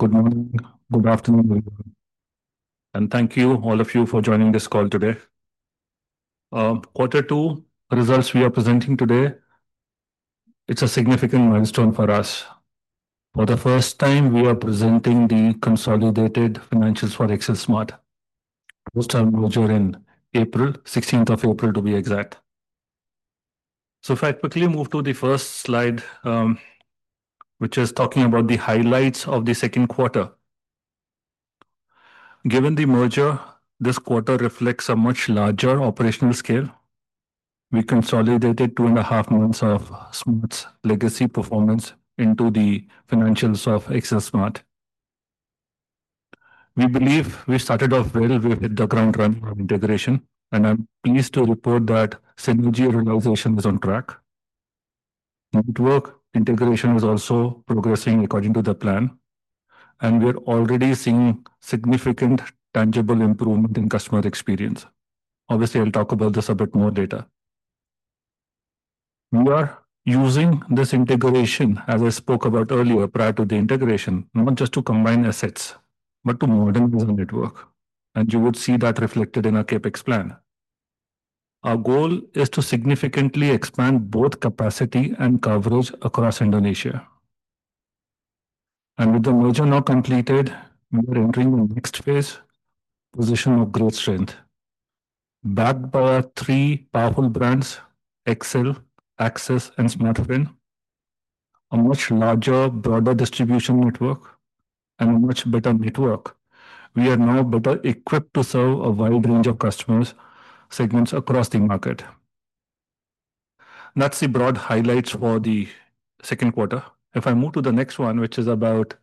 Good morning. Good afternoon, and thank you all of you for joining this call today. Quarter two results we are presenting today, it's a significant milestone for us. For the first time, we are presenting the consolidated financials for XL Smart. This time we're in April, 16th of April to be exact. If I quickly move to the first slide, which is talking about the highlights of the second quarter. Given the merger, this quarter reflects a much larger operational scale. We consolidated two and a half months of Smart's legacy performance into the financials of XL Smart. We believe we started off well with the ground run integration, and I'm pleased to report that synergy realization is on track. Network integration is also progressing according to the plan, and we're already seeing significant tangible improvement in customer experience. Obviously, I'll talk about this a bit more later. We are using this integration, as I spoke about earlier, prior to the integration, not just to combine assets, but to modernize the network. You would see that reflected in our Capex plan. Our goal is to significantly expand both capacity and coverage across Indonesia. With the merger now completed, we are entering the next phase, the position of growth strength. Backed by our three powerful brands: XL, AXIS, and Smartfren, a much larger, broader distribution network, and a much better network. We are now better equipped to serve a wide range of customer segments across the market. That's the broad highlights for the second quarter. If I move to the next one, which is about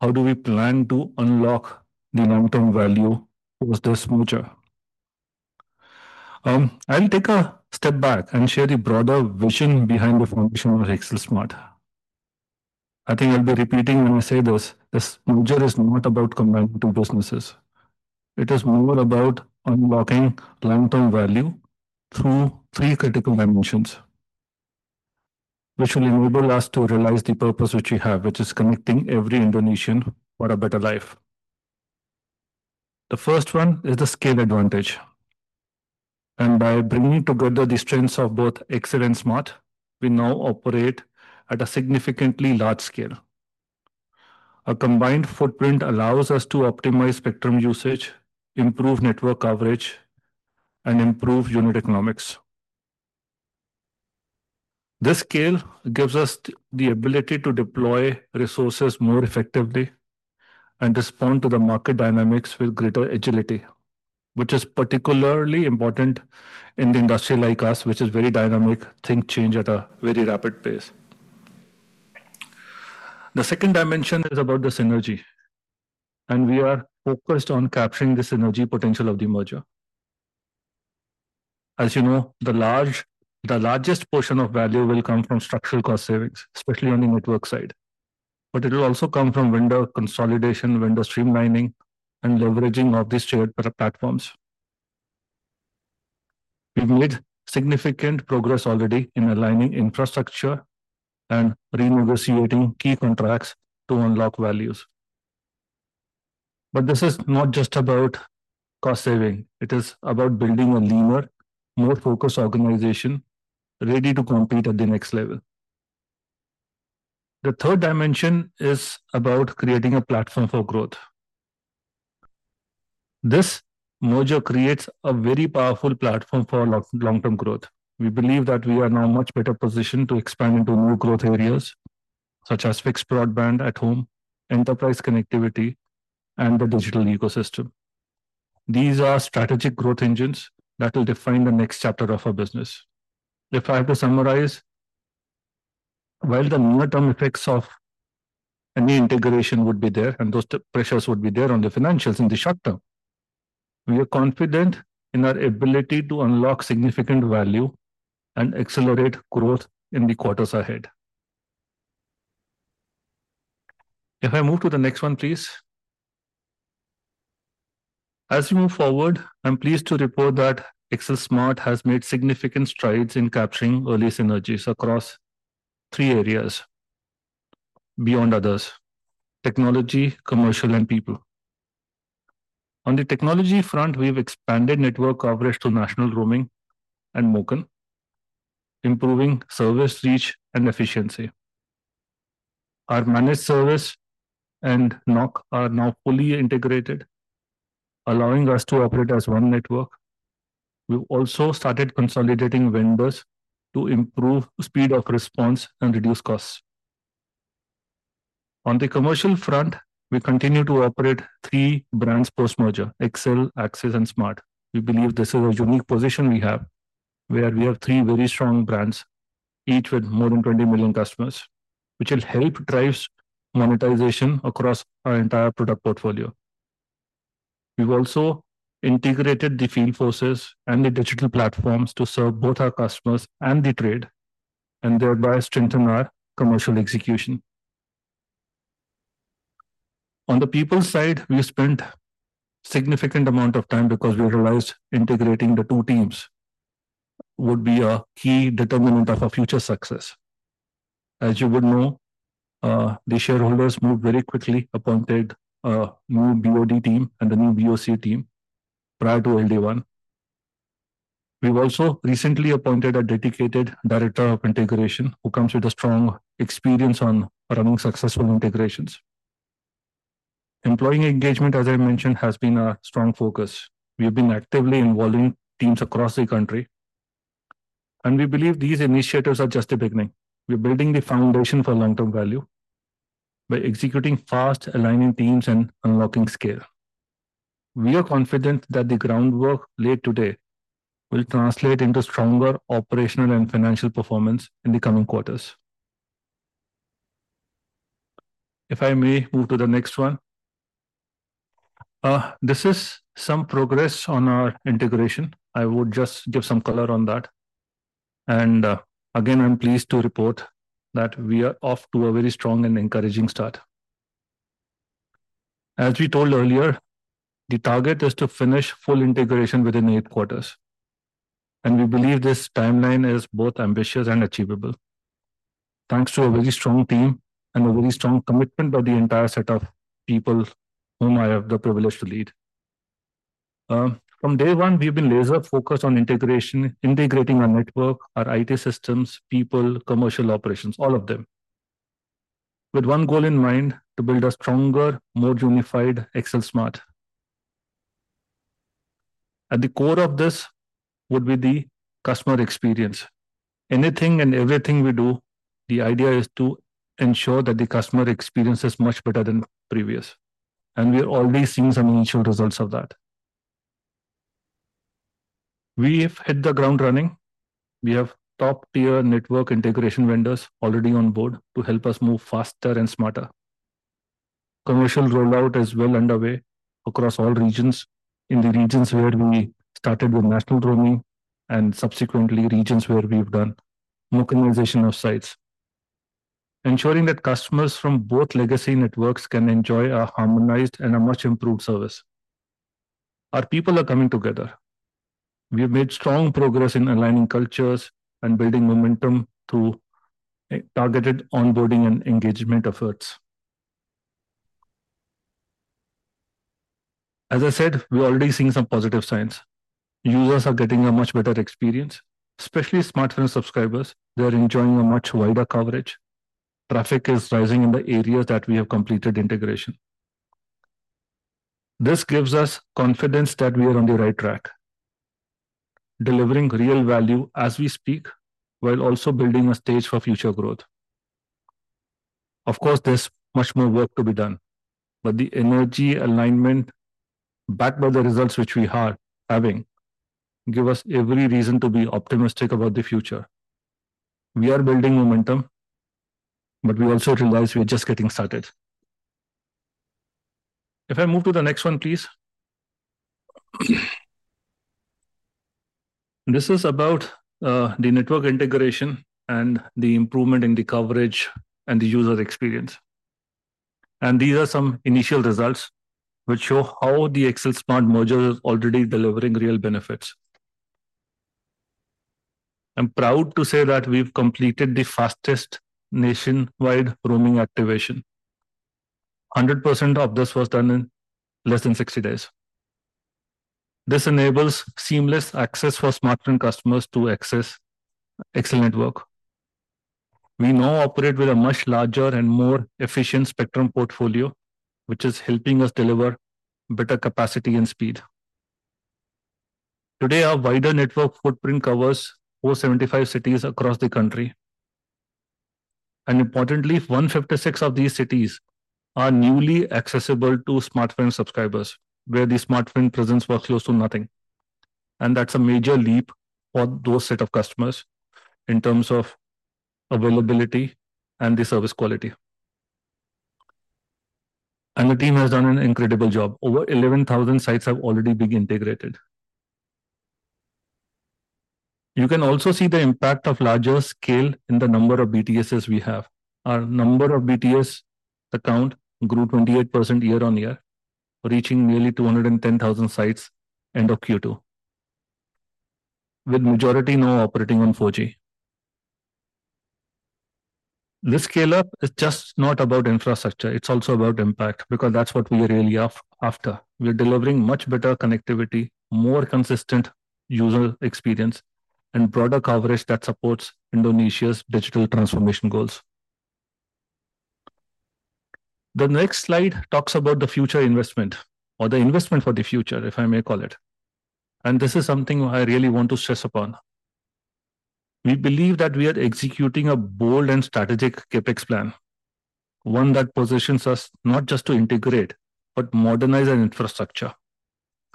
how do we plan to unlock the long-term value with this merger? I'll take a step back and share the broader vision behind the foundation of XL Smart. I think I'll be repeating when I say this, this merger is not about combining two businesses. It is more about unlocking long-term value through three critical dimensions, which will enable us to realize the purpose which we have, which is connecting every Indonesian for a better life. The first one is the scale advantage. By bringing together the strengths of both XL and Smart, we now operate at a significantly large scale. A combined footprint allows us to optimize spectrum usage, improve network coverage, and improve unit economics. This scale gives us the ability to deploy resources more effectively and respond to the market dynamics with greater agility, which is particularly important in an industry like ours, which is very dynamic, things change at a very rapid pace. The second dimension is about the synergy, and we are focused on capturing the synergy potential of the merger. As you know, the largest portion of value will come from structural cost savings, especially on the network side. It will also come from vendor consolidation, vendor streamlining, and leveraging of these shared platforms. We've made significant progress already in aligning infrastructure and renegotiating key contracts to unlock values. This is not just about cost saving. It is about building a leaner, more focused organization, ready to compete at the next level. The third dimension is about creating a platform for growth. This merger creates a very powerful platform for long-term growth. We believe that we are now in a much better position to expand into new growth areas, such as fixed broadband at home, enterprise connectivity, and the digital ecosystem. These are strategic growth engines that will define the next chapter of our business. If I have to summarize, while the near-term effects of any integration would be there, and those pressures would be there on the financials in the short term, we are confident in our ability to unlock significant value and accelerate growth in the quarters ahead. If I move to the next one, please. As we move forward, I'm pleased to report that XL Smart has made significant strides in capturing early synergies across three areas beyond others: technology, commercial, and people. On the technology front, we've expanded network coverage to national roaming and local, improving service reach and efficiency. Our managed service and NOC are now fully integrated, allowing us to operate as one network. We've also started consolidating vendors to improve speed of response and reduce costs. On the commercial front, we continue to operate three brands post-merger: XL, AXIS, and Smart. We believe this is a unique position we have, where we have three very strong brands, each with more than 20 million customers, which will help drive monetization across our entire product portfolio. We've also integrated the field forces and the digital platforms to serve both our customers and the trade, and thereby strengthen our commercial execution. On the people side, we spent a significant amount of time because we realized integrating the two teams would be a key determinant of our future success. As you would know, the shareholders moved very quickly upon the new BOD team and the new BOC team prior to LD1. We've also recently appointed a dedicated Director of Integration who comes with strong experience on running successful integrations. Employee engagement, as I mentioned, has been a strong focus. We've been actively involving teams across the country, and we believe these initiatives are just the beginning. We're building the foundation for long-term value by executing fast, aligning teams, and unlocking scale. We are confident that the groundwork laid today will translate into stronger operational and financial performance in the coming quarters. If I may move to the next one, this is some progress on our integration. I would just give some color on that. I'm pleased to report that we are off to a very strong and encouraging start. As we told earlier, the target is to finish full integration within eight quarters, and we believe this timeline is both ambitious and achievable, thanks to a very strong team and a very strong commitment of the entire set of people whom I have the privilege to lead. From day one, we've been laser-focused on integrating our network, our IT systems, people, commercial operations, all of them, with one goal in mind: to build a stronger, more unified XL Smart. At the core of this would be the customer experience. Anything and everything we do, the idea is to ensure that the customer experience is much better than previous, and we are already seeing some initial results of that. We've hit the ground running. We have top-tier network integration vendors already on board to help us move faster and smarter. Commercial rollout is well underway across all regions, in the regions where we started with national roaming and subsequently regions where we've done modernization of sites, ensuring that customers from both legacy networks can enjoy a harmonized and a much improved service. Our people are coming together. We've made strong progress in aligning cultures and building momentum through targeted onboarding and engagement efforts. As I said, we're already seeing some positive signs. Users are getting a much better experience, especially Smartfren subscribers. They're enjoying a much wider coverage. Traffic is rising in the areas that we have completed integration. This gives us confidence that we are on the right track, delivering real value as we speak while also building a stage for future growth. Of course, there's much more work to be done, but the energy alignment backed by the results which we are having gives us every reason to be optimistic about the future. We are building momentum, but we also realize we're just getting started. If I move to the next one, please. This is about the network integration and the improvement in the coverage and the user experience. These are some initial results which show how the XL Smart merger is already delivering real benefits. I'm proud to say that we've completed the fastest nationwide roaming activation. 100% of this was done in less than 60 days. This enables seamless access for Smartfren customers to access XL network. We now operate with a much larger and more efficient spectrum portfolio, which is helping us deliver better capacity and speed. Today, our wider network footprint covers 475 cities across the country. Importantly, 156 of these cities are newly accessible to Smartfren subscribers, where the Smartfren presence was close to nothing. That's a major leap for those sets of customers in terms of availability and the service quality. The team has done an incredible job. Over 11,000 sites have already been integrated. You can also see the impact of larger scale in the number of BTSs we have. Our number of BTS accounts grew 28% year-on-year, reaching nearly 210,000 sites end of Q2, with the majority now operating on 4G. This scale-up is just not about infrastructure. It's also about impact because that's what we really are after. We're delivering much better connectivity, more consistent user experience, and broader coverage that supports Indonesia's digital transformation goals. The next slide talks about the future investment or the investment for the future, if I may call it. This is something I really want to stress upon. We believe that we are executing a bold and strategic CapEx plan, one that positions us not just to integrate, but modernize our infrastructure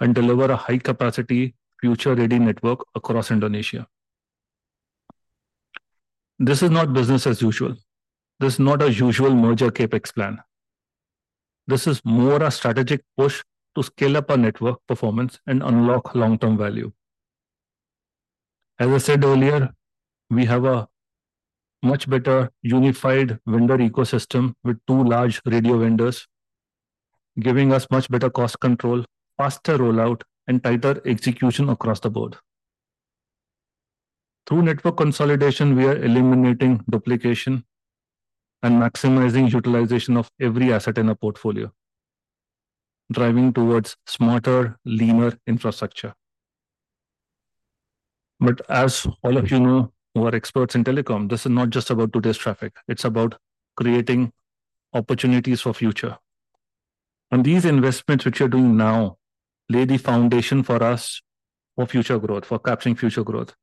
and deliver a high-capacity, future-ready network across Indonesia. This is not business as usual. This is not a usual merger CapEx plan. This is more a strategic push to scale up our network performance and unlock long-term value. As I said earlier, we have a much better unified vendor ecosystem with two large radio vendors, giving us much better cost control, faster rollout, and tighter execution across the board. Through network consolidation, we are eliminating duplication and maximizing utilization of every asset in a portfolio, driving towards smarter, leaner infrastructure. As all of you know, who are experts in telecom, this is not just about today's traffic. It's about creating opportunities for the future. These investments which we're doing now lay the foundation for us for future growth, for capturing future growth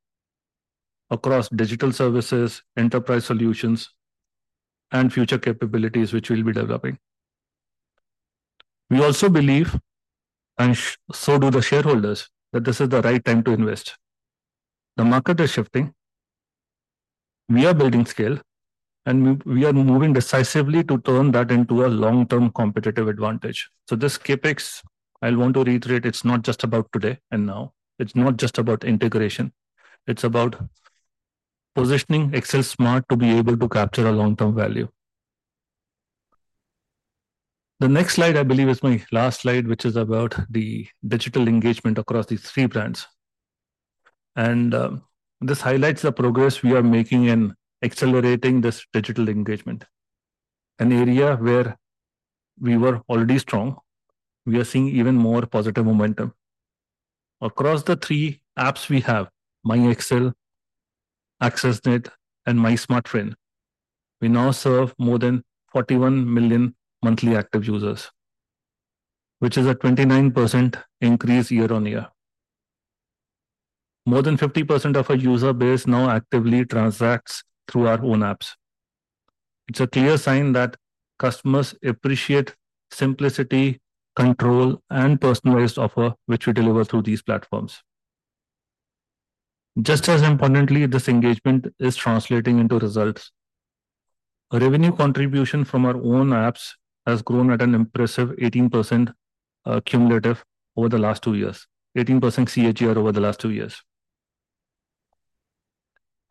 across digital services, enterprise solutions, and future capabilities which we'll be developing. We also believe, and so do the shareholders, that this is the right time to invest. The market is shifting. We are building scale, and we are moving decisively to turn that into a long-term competitive advantage. This CapEx, I'll want to reiterate, it's not just about today and now. It's not just about integration. It's about positioning XL Smart to be able to capture a long-term value. The next slide, I believe, is my last slide, which is about the digital engagement across these three brands. This highlights the progress we are making in accelerating this digital engagement, an area where we were already strong. We are seeing even more positive momentum. Across the three apps we have, MyXL, AXISNet, and MySmartfren, we now serve more than 41 million monthly active users, which is a 29% increase year on year. More than 50% of our user base now actively transacts through our own apps. It's a clear sign that customers appreciate simplicity, control, and personalized offer which we deliver through these platforms. Just as importantly, this engagement is translating into results. A revenue contribution from our own apps has grown at an impressive 18% cumulative over the last two years, 18% CAGR over the last two years.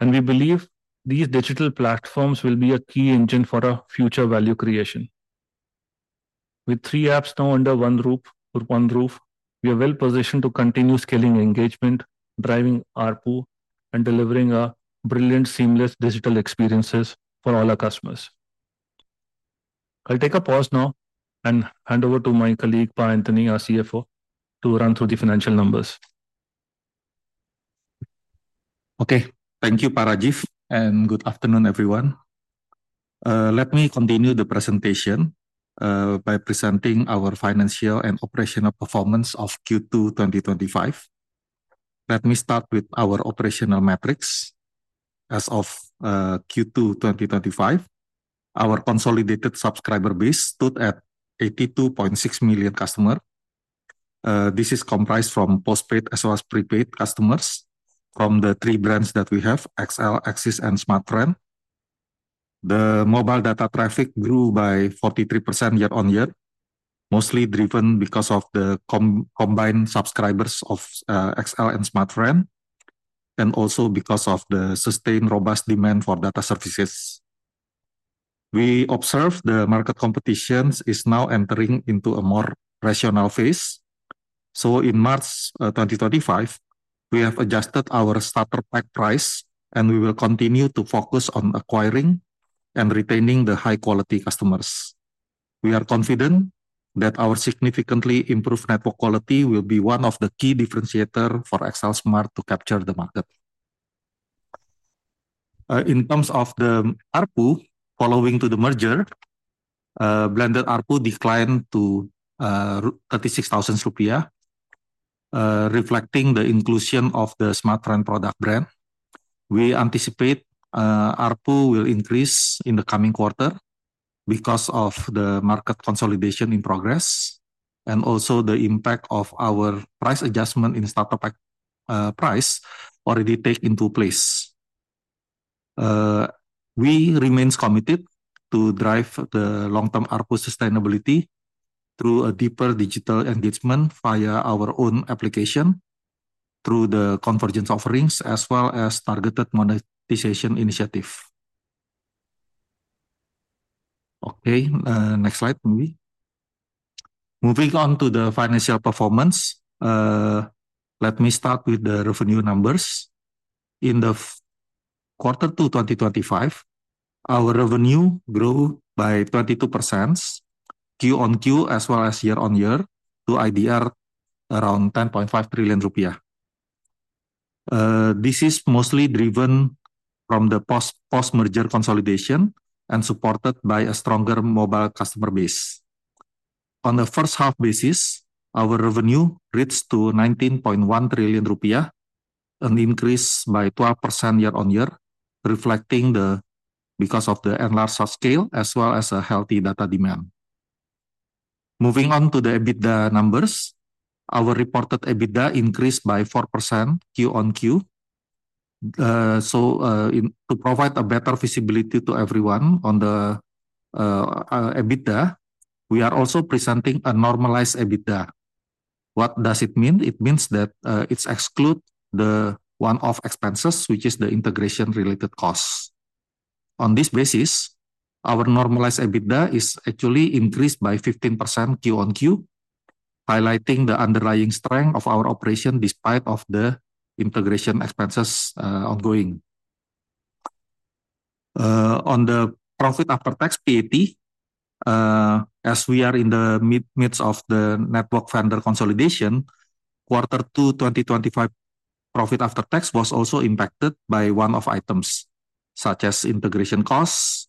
We believe these digital platforms will be a key engine for our future value creation. With three apps now under one roof, we are well positioned to continue scaling engagement, driving ARPU, and delivering our brilliant, seamless digital experiences for all our customers. I'll take a pause now and hand over to my colleague, Pak Antony, our CFO, to run through the financial numbers. Okay. Thank you Pak Rajeev, and good afternoon, everyone. Let me continue the presentation by presenting our financial and operational performance of Q2 2025. Let me start with our operational metrics. As of Q2 2025, our consolidated subscriber base stood at 82.6 million customers. This is comprised from postpaid as well as prepaid customers from the three brands that we have, XL, AXIS, and Smartfren. The mobile data traffic grew by 43% year on year, mostly driven because of the combined subscribers of XL and Smartfren, and also because of the sustained robust demand for data services. We observe the market competition is now entering into a more rational phase. In March 2025, we have adjusted our starter pack price, and we will continue to focus on acquiring and retaining the high-quality customers. We are confident that our significantly improved network quality will be one of the key differentiators for XL Smart to capture the market. In terms of the ARPU, following the merger, blended ARPU declined to 36,000 rupiah, reflecting the inclusion of the Smartfren product brand. We anticipate ARPU will increase in the coming quarter because of the market consolidation in progress and also the impact of our price adjustment in starter pack price already taken into place. We remain committed to drive the long-term ARPU sustainability through a deeper digital engagement via our own application, through the convergence offerings, as well as targeted monetization initiatives. Next slide, maybe. Moving on to the financial performance, let me start with the revenue numbers. In Q2 2025, our revenue grew by 22% QoQ as well as year on year, to 10.5 trillion rupiah. This is mostly driven from the post-merger consolidation and supported by a stronger mobile customer base. On the first half basis, our revenue reached 19.1 trillion rupiah, an increase by 12% year on year, reflecting the enlarged scale as well as a healthy data demand. Moving on to the EBITDA numbers, our reported EBITDA increased by 4% quarter on quarter. To provide a better visibility to everyone on the EBITDA, we are also presenting a normalized EBITDA. What does it mean? It means that it's excluded the one-off expenses, which is the integration-related costs. On this basis, our normalized EBITDA is actually increased by 15% QoQ, highlighting the underlying strength of our operation despite the integration expenses ongoing. On the profit after tax PAT, as we are in the midst of the network vendor consolidation, quarter two 2025 profit after tax was also impacted by one-off items such as integration costs,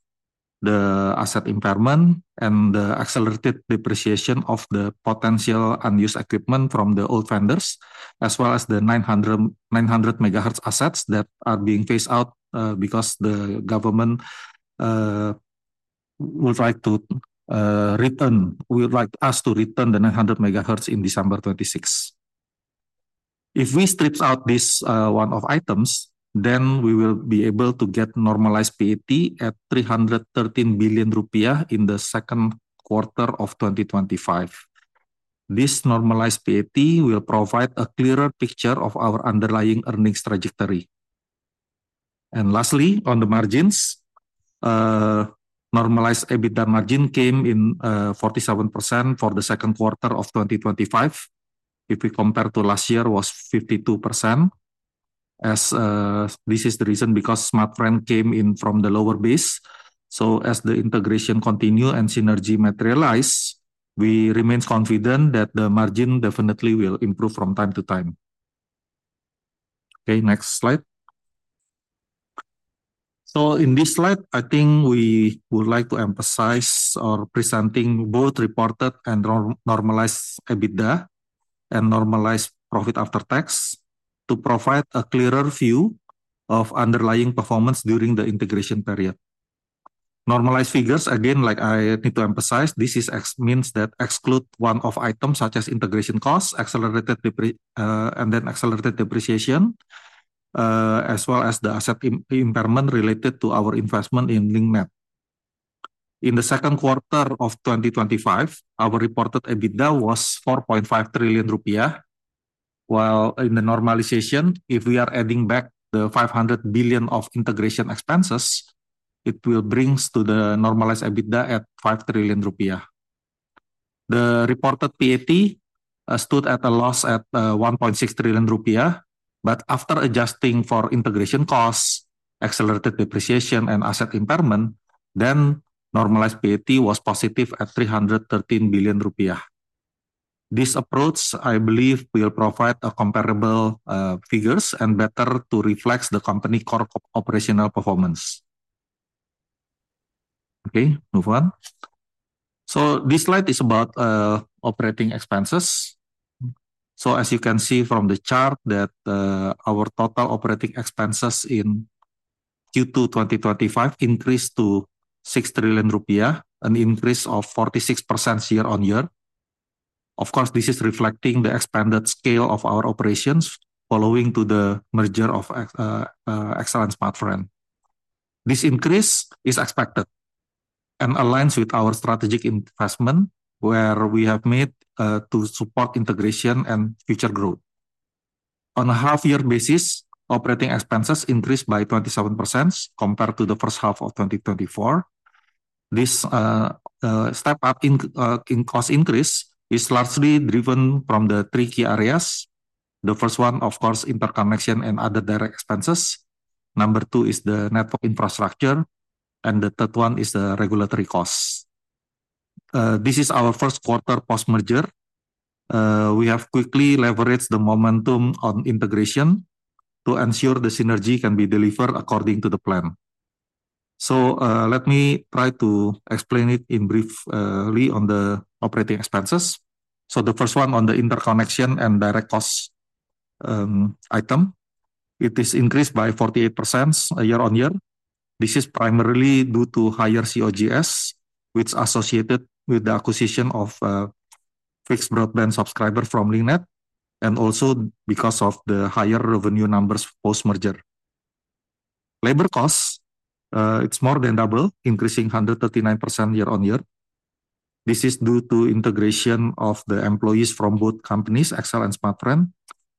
the asset impairment, and the accelerated depreciation of the potential unused equipment from the old vendors, as well as the 900 MHz assets that are being phased out because the government will try to return, we would like us to return the 900 MHz in December 2026. If we strip out these one-off items, then we will be able to get normalized PAT at 313 billion rupiah in the second quarter of 2025. This normalized PAT will provide a clearer picture of our underlying earnings trajectory. Lastly, on the margins, normalized EBITDA margin came in at 47% for the second quarter of 2025. If we compare to last year, it was 52%. This is the reason because Smartfren came in from the lower base. As the integration continues and synergy materializes, we remain confident that the margin definitely will improve from time to time. Next slide. In this slide, I think we would like to emphasize or present both reported and normalized EBITDA and normalized profit after tax to provide a clearer view of underlying performance during the integration period. Normalized figures, again, like I need to emphasize, this means that exclude one-off items such as integration costs, and then accelerated depreciation, as well as the asset impairment related to our investment in Link Net. In the second quarter of 2025, our reported EBITDA was 4.5 trillion rupiah, while in the normalization, if we are adding back the 500 billion of integration expenses, it will bring us to the normalized EBITDA at 5 trillion rupiah. The reported PAT stood at a loss at 1.6 trillion rupiah, but after adjusting for integration costs, accelerated depreciation, and asset impairment, then normalized PAT was positive at 313 billion rupiah. This approach, I believe, will provide comparable figures and better reflect the company core operational performance. Move on. This slide is about operating expenses. As you can see from the chart, our total operating expenses in Q2 2025 increased to 6 trillion rupiah, an increase of 46% year on year. This is reflecting the expanded scale of our operations following the merger of XL and Smartfren. This increase is expected and aligns with our strategic investment where we have made to support integration and future growth. On a half-year basis, operating expenses increased by 27% compared to the first half of 2024. This step-up in cost increase is largely driven from the three key areas. The first one, of course, interconnection and other direct expenses. Number two is the network infrastructure, and the third one is the regulatory costs. This is our first quarter post-merger. We have quickly leveraged the momentum on integration to ensure the synergy can be delivered according to the plan. Let me try to explain it briefly on the operating expenses. The first one on the interconnection and direct costs item, it is increased by 48% year on year. This is primarily due to higher COGS, which is associated with the acquisition of a fixed broadband subscriber from Link Net, and also because of the higher revenue numbers post-merger. Labor costs, it's more than double, increasing 139% year on year. This is due to integration of the employees from both companies, XL and Smartfren,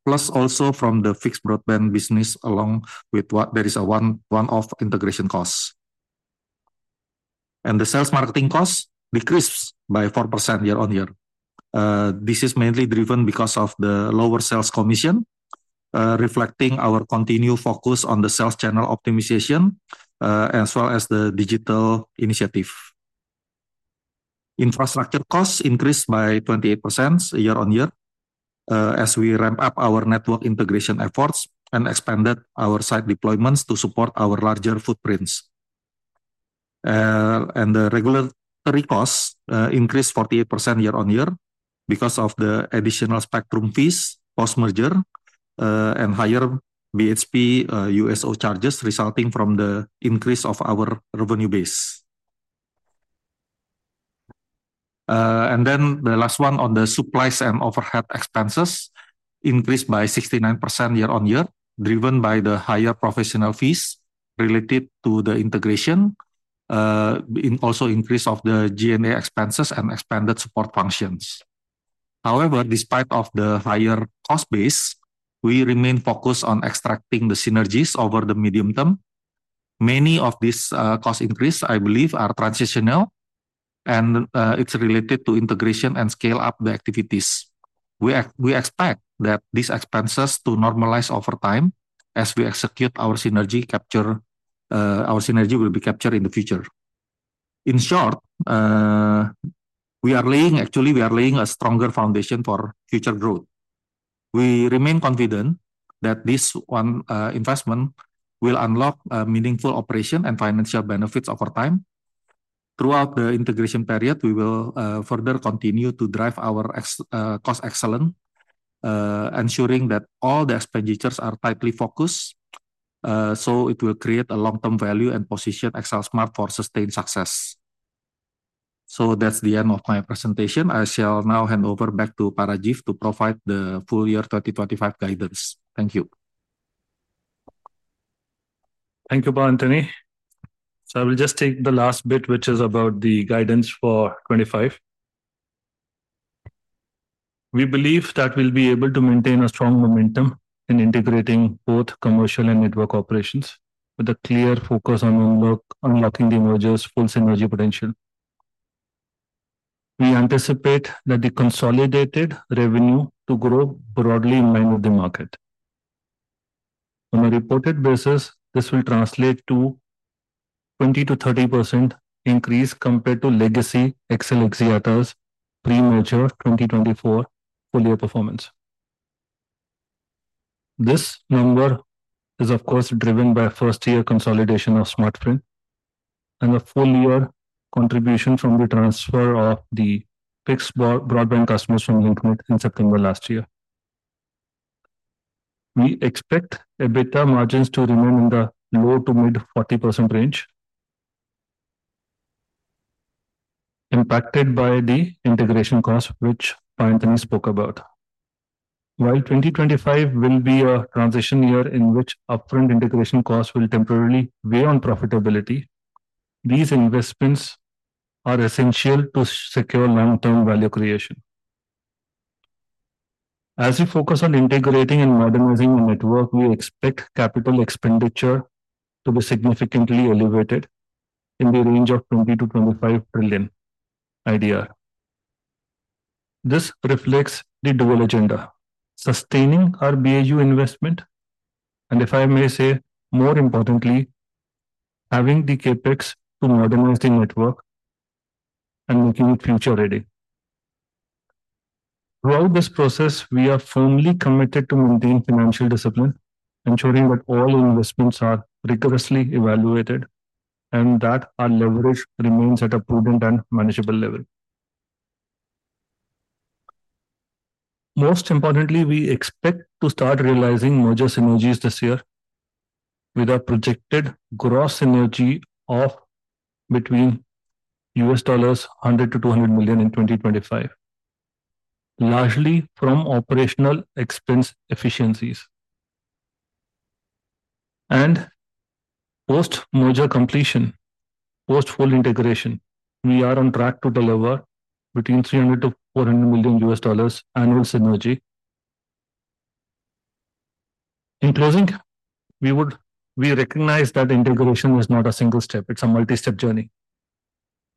plus also from the fixed broadband business, along with what there is a one-off integration cost. The sales marketing cost decreased by 4% year on year. This is mainly driven because of the lower sales commission, reflecting our continued focus on the sales channel optimization, as well as the digital initiative. Infrastructure costs increased by 28% year on year, as we ramp up our network integration efforts and expanded our site deployments to support our larger footprints. The regulatory costs increased 48% year on year because of the additional spectrum fees post-merger and higher BHP USO charges resulting from the increase of our revenue base. The last one on the supplies and overhead expenses increased by 69% year on year, driven by the higher professional fees related to the integration, also increase of the GNA expenses and expanded support functions. However, despite the higher cost base, we remain focused on extracting the synergies over the medium term. Many of these cost increases, I believe, are transitional, and it's related to integration and scaling up the activities. We expect that these expenses to normalize over time as we execute our synergy capture, our synergy will be captured in the future. In short, we are laying, actually, we are laying a stronger foundation for future growth. We remain confident that this one investment will unlock meaningful operation and financial benefits over time. Throughout the integration period, we will further continue to drive our cost excellence, ensuring that all the expenditures are tightly focused, so it will create a long-term value and position XL Smart for sustained success. That is the end of my presentation. I shall now hand over back to Rajeev to provide the full year 2025 guidance. Thank you. Thank you, Pak Antony. I will just take the last bit, which is about the guidance for 2025. We believe that we'll be able to maintain a strong momentum in integrating both commercial and network operations with a clear focus on unlocking the merger's full synergy potential. We anticipate that the consolidated revenue will grow broadly in line with the market. On a reported basis, this will translate to a 20% to 30% increase compared to legacy XL Axiata's pre-merger 2024 full-year performance. This number is, of course, driven by first-year consolidation of Smartfren and the full-year contribution from the transfer of the fixed broadband customers from Link Net in September last year. We expect EBITDA margins to remain in the low to mid-40% range, impacted by the integration costs, which Pak Antony spoke about. While 2025 will be a transition year in which upfront integration costs will temporarily weigh on profitability, these investments are essential to secure long-term value creation. As we focus on integrating and modernizing the network, we expect capital expenditure to be significantly elevated in the range of 20 trillion-25 trillion IDR. This reflects the dual agenda: sustaining our BAU investment, and, if I may say, more importantly, having the Capex to modernize the network and making it future-ready. Throughout this process, we are firmly committed to maintaining financial discipline, ensuring that all investments are rigorously evaluated and that our leverage remains at a prudent and manageable level. Most importantly, we expect to start realizing merger synergies this year with our projected gross synergy of between $100 million-$200 million in 2025, largely from operational expense efficiencies. Post-merger completion, post-full integration, we are on track to deliver between $300 million-$400 million annual synergy. In closing, we recognize that integration is not a single step. It's a multi-step journey.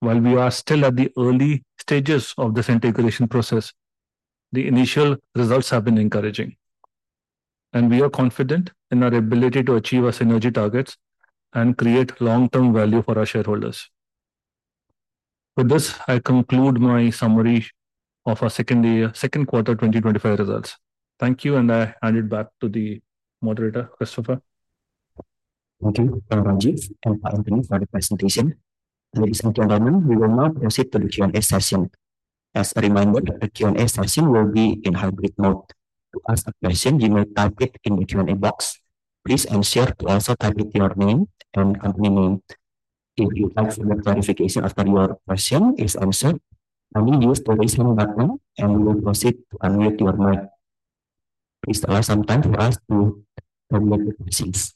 While we are still at the early stages of this integration process, the initial results have been encouraging, and we are confident in our ability to achieve our synergy targets and create long-term value for our shareholders. With this, I conclude my summary of our second quarter 2025 results. Thank you, and I hand it back to the moderator, Christopher. Thank you, Rajeev, for your presentation. Ladies and gentlemen, we will now exit the Q&A session. As a reminder, the Q&A session will be in hybrid mode. As a question, you may type it in the Q&A box. Please ensure to also type in your name and company name. If you have further clarification after your question is answered, I will use the raise-hand button and we will proceed to unmute your mic. Please allow some time for us to unmute the questions.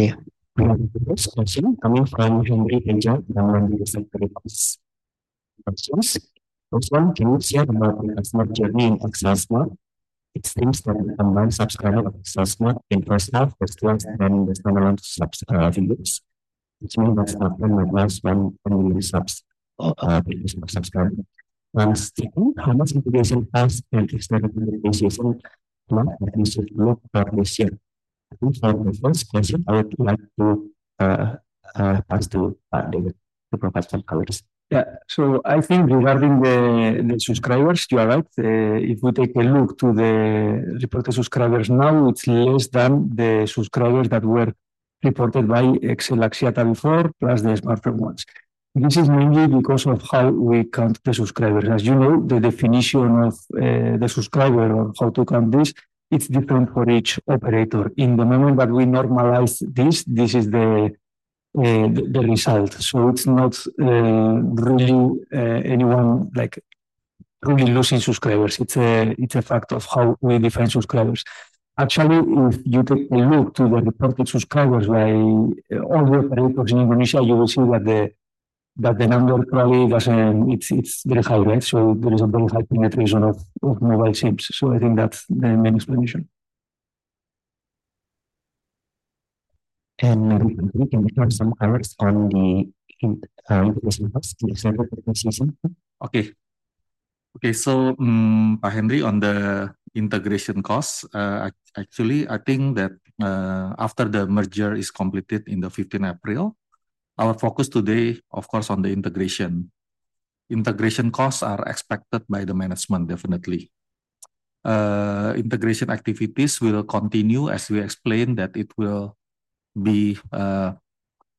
Okay, thank you. Okay, question comes from Henry Angel and Mr. Chris. Questions, first one, can you share about an excellent journey in XL Smart? It seems that the number of subscribers of XL Smart increased after first one, and the number of subscribers between the Smartfren and the new subscribers. Second, how much integration costs and external communication month to month are missing? If you start with the first question, I would like to ask the question colleagues. Yeah, so I think regarding the subscribers, you're right, if we take a look at the reported subscribers now, it's less than the subscribers that were reported by XL Axiata before, plus the Smartfren ones. This is mainly because of how we count the subscribers. As you know, the definition of the subscriber, on how to count this, it's different for each operator. The moment that we normalize this, this is the result. It's not really anyone like really losing subscribers. It's a fact of how we define subscribers. Actually, if you take a look at the reported subscribers by all the operators in Indonesia, you will see that the number probably wasn't, it's very high, right? There is a very high metrics on mobile teams. I think that's the main explanation. Antony, can you share some colors on the integration-related one-off costs? Okay. Okay, so Pak Henry, on the integration costs, actually, I think that after the merger is completed on the 15th of April, our focus today, of course, is on the integration. Integration costs are expected by the management, definitely. Integration activities will continue, as we explained, that it will be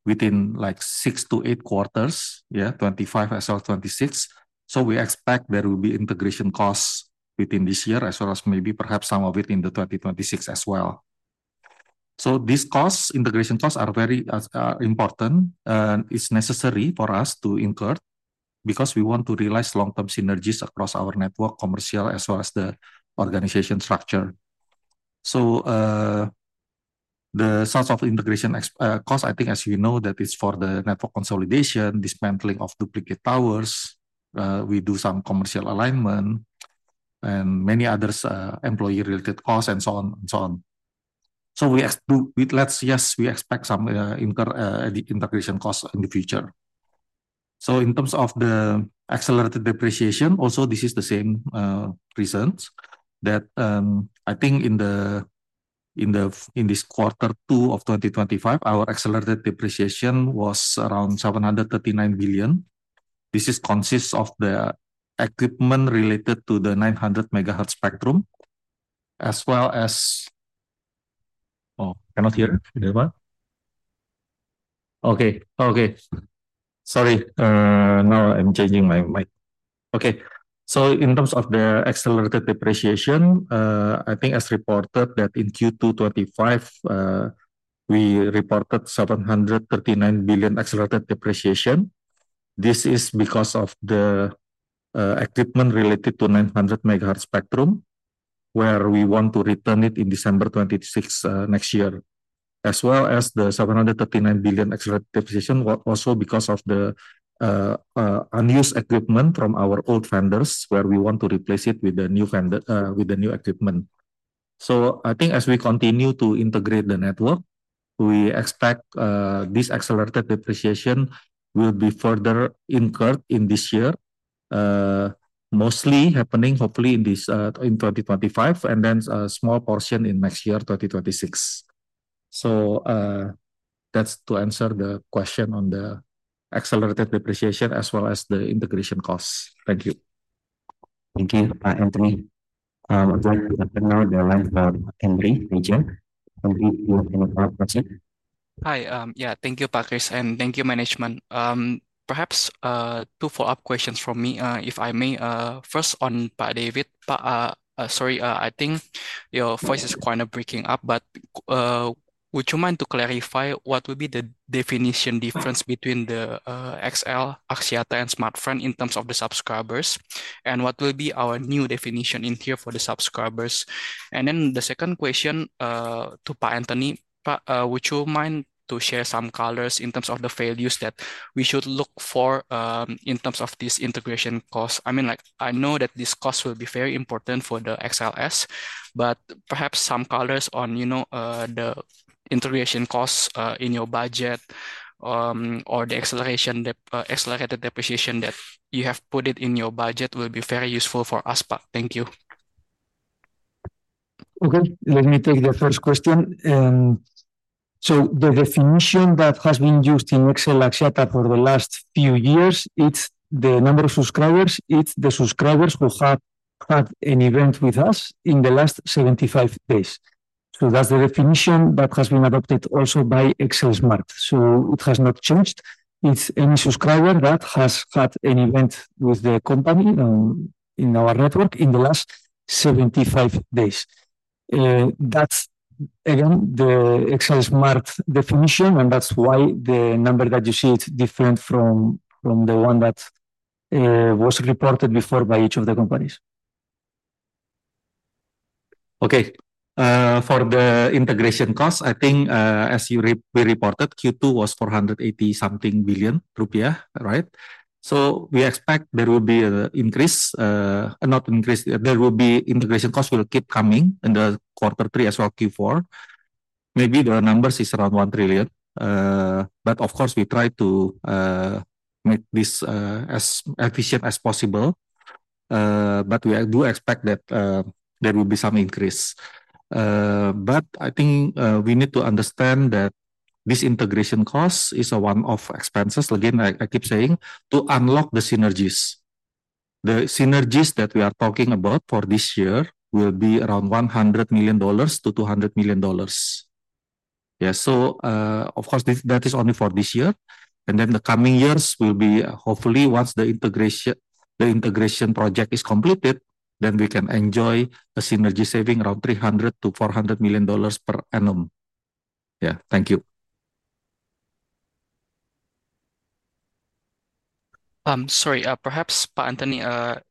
within like six to eight quarters, yeah, 2025 as well as 2026. We expect there will be integration costs within this year, as well as maybe perhaps some of it in 2026 as well. These costs, integration costs, are very important, and it's necessary for us to incur because we want to realize long-term synergies across our network, commercial, as well as the organization structure. The source of integration costs, I think, as we know, that is for the network consolidation, dismantling of duplicate towers. We do some commercial alignment and many other employee-related costs, and so on and so on. Yes, we expect some integration costs in the future. In terms of the accelerated depreciation, also, this is the same reason that I think in this quarter two of 2025, our accelerated depreciation was around 739 billion. This consists of the equipment related to the 900 MHz spectrum, as well as, oh, cannot hear it. Okay. Okay. Sorry. Now I'm changing my mic. In terms of the accelerated depreciation, I think as reported that in Q2 2025, we reported 739 billion accelerated depreciation. This is because of the equipment related to the 900 MHz spectrum, where we want to return it in December 2026 next year, as well as the 739 billion accelerated depreciation was also because of the unused equipment from our old vendors, where we want to replace it with the new equipment. I think as we continue to integrate the network, we expect this accelerated depreciation will be further incurred in this year, mostly happening hopefully in 2025, and then a small portion in next year, 2026. That's to answer the question on the accelerated depreciation as well as the integration costs. Thank you. Thank you, Pak Antony. I'd like to open now the line for Henry Major. Henry, do you want to make a follow-up question? Hi. Yeah, thank you, Pak Chris, and thank you, management. Perhaps two follow-up questions from me, if I may. First, on Pak David. Sorry, I think your voice is kind of breaking up, but would you mind to clarify what would be the definition difference between the XL Axiata and Smartfren in terms of the subscribers? What will be our new definition in here for the subscribers? The second question to Pak Antony, would you mind to share some colors in terms of the values that we should look for in terms of these integration costs? I mean, like I know that these costs will be very important for the XLS, but perhaps some colors on, you know, the integration costs in your budget or the accelerated depreciation that you have put in your budget will be very useful for us, Pak. Thank you. Okay. Let me take the first question. The definition that has been used in XL Axiata for the last few years is the number of subscribers. It's the subscribers who have had an event with us in the last 75 days. That's the definition that has been adopted also by XL Smart. It has not changed. It's any subscriber that has had an event with the company in our network in the last 75 days. That's, again, the XL Smart definition, and that's why the number that you see is different from the one that was reported before by each of the companies. For the integration costs, as we reported, Q2 was 480-something billion rupiah, right? We expect there will be integration costs coming in Q3 as well, Q4. Maybe the number is around 1 trillion. Of course, we try to make this as efficient as possible. We do expect that there will be some increase. I think we need to understand that this integration cost is a one-off expense. Again, I keep saying, to unlock the synergies. The synergies that we are talking about for this year will be around $100 million-$200 million. That is only for this year. In the coming years, hopefully once the integration project is completed, we can enjoy a synergy saving around $300 million-$400 million per annum. Thank you. Sorry. Perhaps, Pak Antony,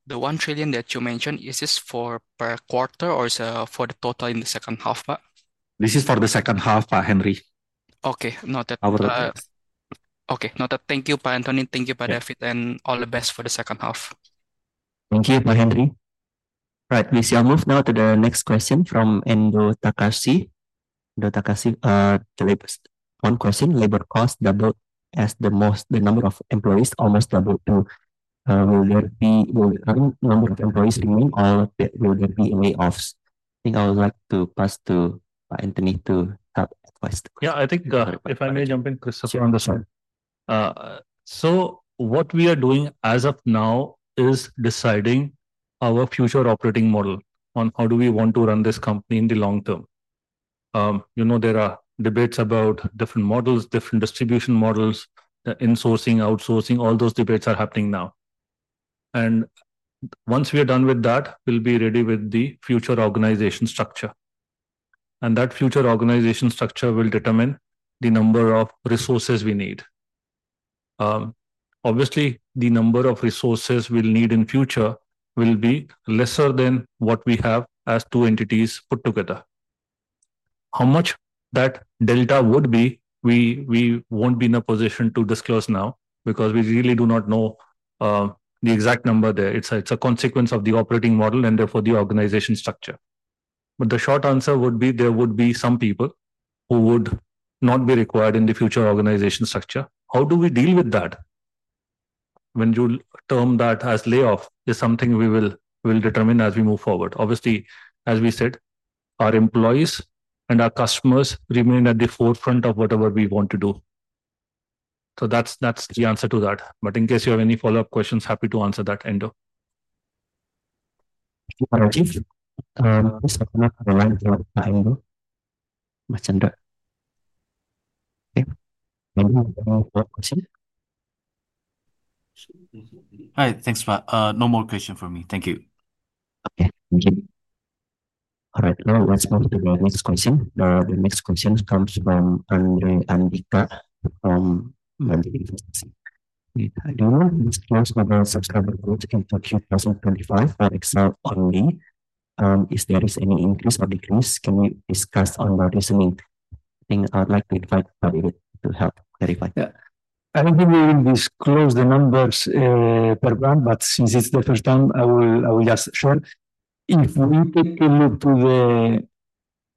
the 1 trillion that you mentioned, is this for per quarter or is it for the total in the second half, Pak? This is for the second half, Pak Henry. Okay. Noted. Thank you, Pak Antony. Thank you, Pak David, and all the best for the second half. Thank you, Pak Henry. All right. We shall move now to the next question from Endo Takashi. Endo Takashi, on question, labor costs double as the most. The number of employees almost doubled. Will there be a number of employees remain or will there be layoffs? I think I would like to pass to Pak Antony to start the question. Yeah, I think if I may jump in, Christopher, on this one. What we are doing as of now is deciding our future operating model on how do we want to run this company in the long term. There are debates about different models, different distribution models, insourcing, outsourcing. All those debates are happening now. Once we are done with that, we'll be ready with the future organization structure. That future organization structure will determine the number of resources we need. Obviously, the number of resources we'll need in the future will be lesser than what we have as two entities put together. How much that delta would be, we won't be in a position to disclose now because we really do not know the exact number there. It's a consequence of the operating model and therefore the organization structure. The short answer would be there would be some people who would not be required in the future organization structure. How do we deal with that? When you term that as layoff, it's something we will determine as we move forward. Obviously, as we said, our employees and our customers remain at the forefront of whatever we want to do. That's the answer to that. In case you have any follow-up questions, happy to answer that, Endo. All right, let's move to the next question. Okay. All right. Now let's move to the next question. The next question comes from Andre Par from the interest question. I don't know. This question about subscriber growth in section 2025 at XL Axiata only. If there is any increase or decrease, can you discuss on the reasoning? I'd like to invite David Arcelus Oses to help clarify. Yeah. I don't think we will disclose the numbers per brand, but since it's the first time, I will just. Sure. If we take a look to the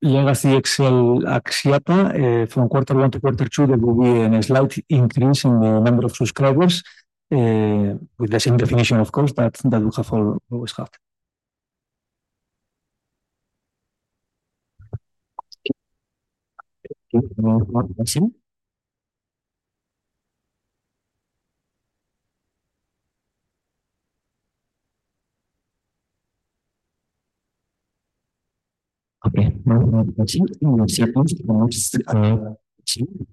legacy XL Axiata from quarter one to quarter two, there will be a slight increase in the number of subscribers with the same definition, of course, that we have always had. Okay. One more question. Now, let's see how much synergies are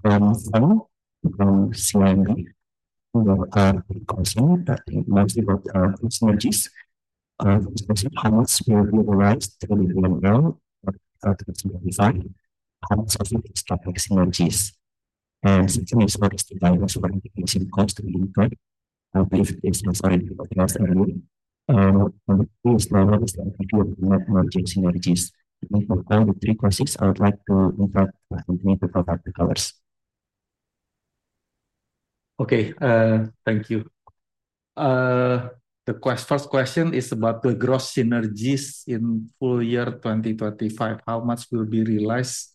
going on. I'm going to go ahead and answer that. I think that's about synergies. I'll just mention how much we've realized technology level now, but at the consumer design, how much of it is part of the synergies. Since it is about the supply and distribution costs to be incurred, I believe it is outside of our realm. Most relevant is the idea of not merging synergies. For now, with three questions, I would like to invite Pak Antony to talk about the colors. Okay. Thank you. The first question is about the gross synergies in full year 2025. How much will be realized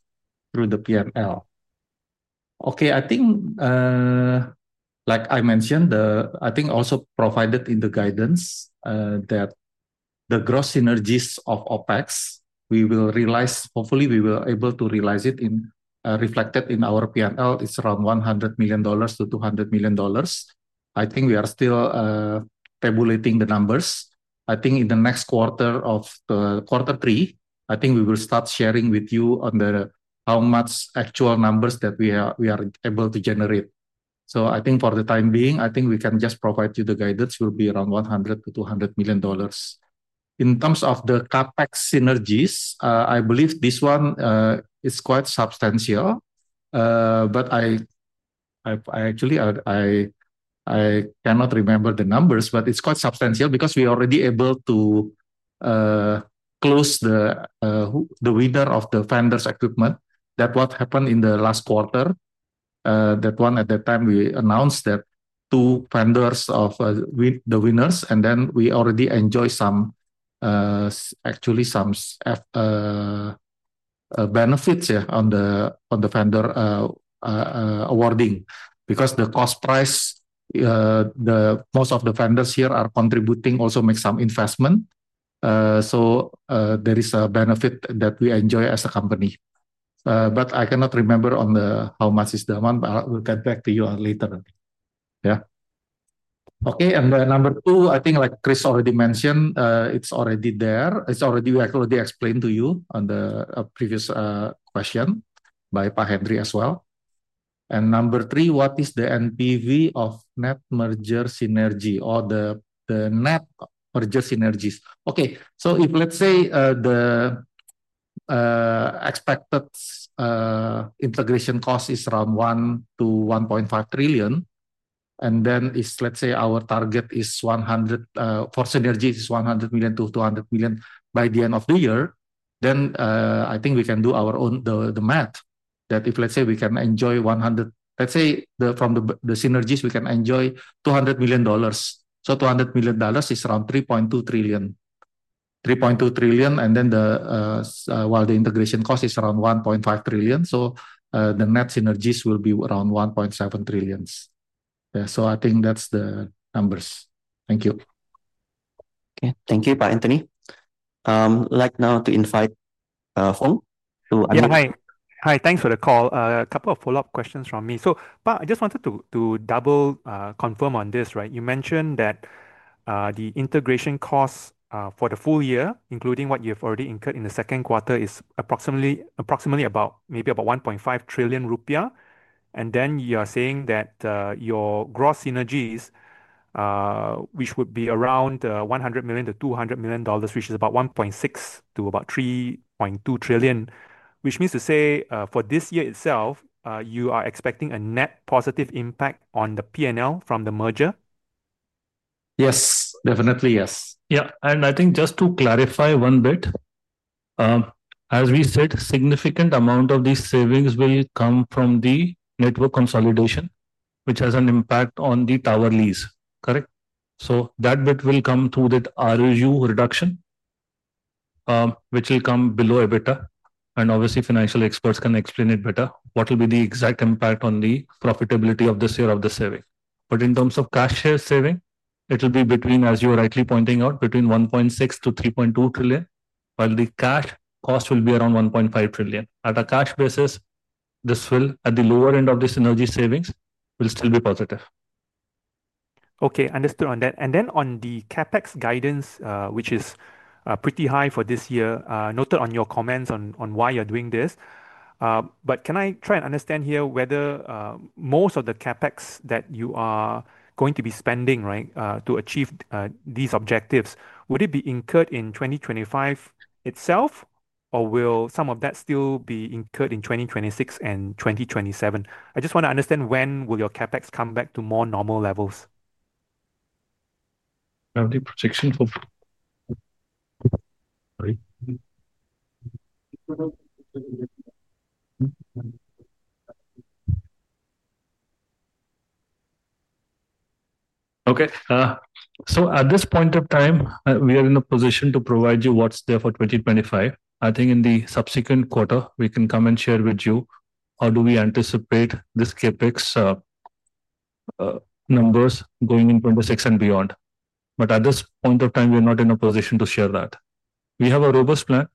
through the P&L? Okay. I think, like I mentioned, I think also provided in the guidance that the gross synergies of OpEx, we will realize, hopefully, we will be able to realize it reflected in our P&L. It's around $100 million-$200 million. I think we are still tabulating the numbers. I think in the next quarter of quarter three, I think we will start sharing with you on how much actual numbers that we are able to generate. For the time being, I think we can just provide you the guidance. It will be around $100 million-$200 million. In terms of the CapEx synergies, I believe this one is quite substantial. I cannot remember the numbers, but it's quite substantial because we are already able to close the winner of the vendor's equipment. That happened in the last quarter. At that time, we announced that two vendors are the winners, and then we already enjoyed some benefits on the vendor awarding because the cost price, most of the vendors here are contributing, also make some investment. There is a benefit that we enjoy as a company. I cannot remember how much is the amount. I'll get back to you on that later. Yeah. Number two, like Chris already mentioned, it's already there. It's already explained to you on the previous question by Pak Henry as well. Number three, what is the NPV of net merger synergy or the net merger synergies? If, let's say, the expected integration cost is around 1 trillion-1.5 trillion, and then if, let's say, our target is 100 for synergies, it's $100 million-$ 200 million by the end of the year, then we can do our own math that if, let's say, we can enjoy $100 million, let's say, from the synergies, we can enjoy $200 million. $200 million is around 3.2 trillion. 3.2 trillion. While the integration cost is around 1.5 trillion, the net synergies will be around 1.7 trillion. Yeah. I think that's the numbers. Thank you. Okay. Thank you, Pak Antony. I'd like now to invite Hong. Hi. Thanks for the call. A couple of follow-up questions from me. Pak, I just wanted to double confirm on this, right? You mentioned that the integration costs for the full year, including what you've already incurred in the second quarter, is approximately about 1.5 trillion rupiah. You are saying that your gross synergies, which would be around $100 million-$200 million, which is about 1.6 to about 3.2 trillion, which means to say for this year itself, you are expecting a net positive impact on the P&L from the merger? Yes. Definitely, yes. Yeah. I think just to clarify one bit, as we said, a significant amount of these savings will come from the network consolidation, which has an impact on the tower lease, correct? That bit will come through that ROU reduction, which will come below EBITDA. Obviously, financial experts can explain it better. What will be the exact impact on the profitability of this year of the saving? In terms of cash share saving, it will be between, as you were rightly pointing out, between 1.6 trillion to 3.2 trillion, while the cash cost will be around 1.5 trillion. At a cash basis, this will, at the lower end of the synergy savings, still be positive. Okay. Understood on that. On the CapEx guidance, which is pretty high for this year, noted on your comments on why you're doing this. Can I try and understand here whether most of the CapEx that you are going to be spending to achieve these objectives would be incurred in 2025 itself, or will some of that still be incurred in 2026 and 2027? I just want to understand when will your CapEx come back to more normal levels? I'll take a question for XL Axiata. Okay. At this point of time, we are in a position to provide you what's there for 2025. I think in the subsequent quarter, we can come and share with you how we anticipate this CapEx numbers going in 2026 and beyond. At this point of time, we are not in a position to share that. We have a robust plan.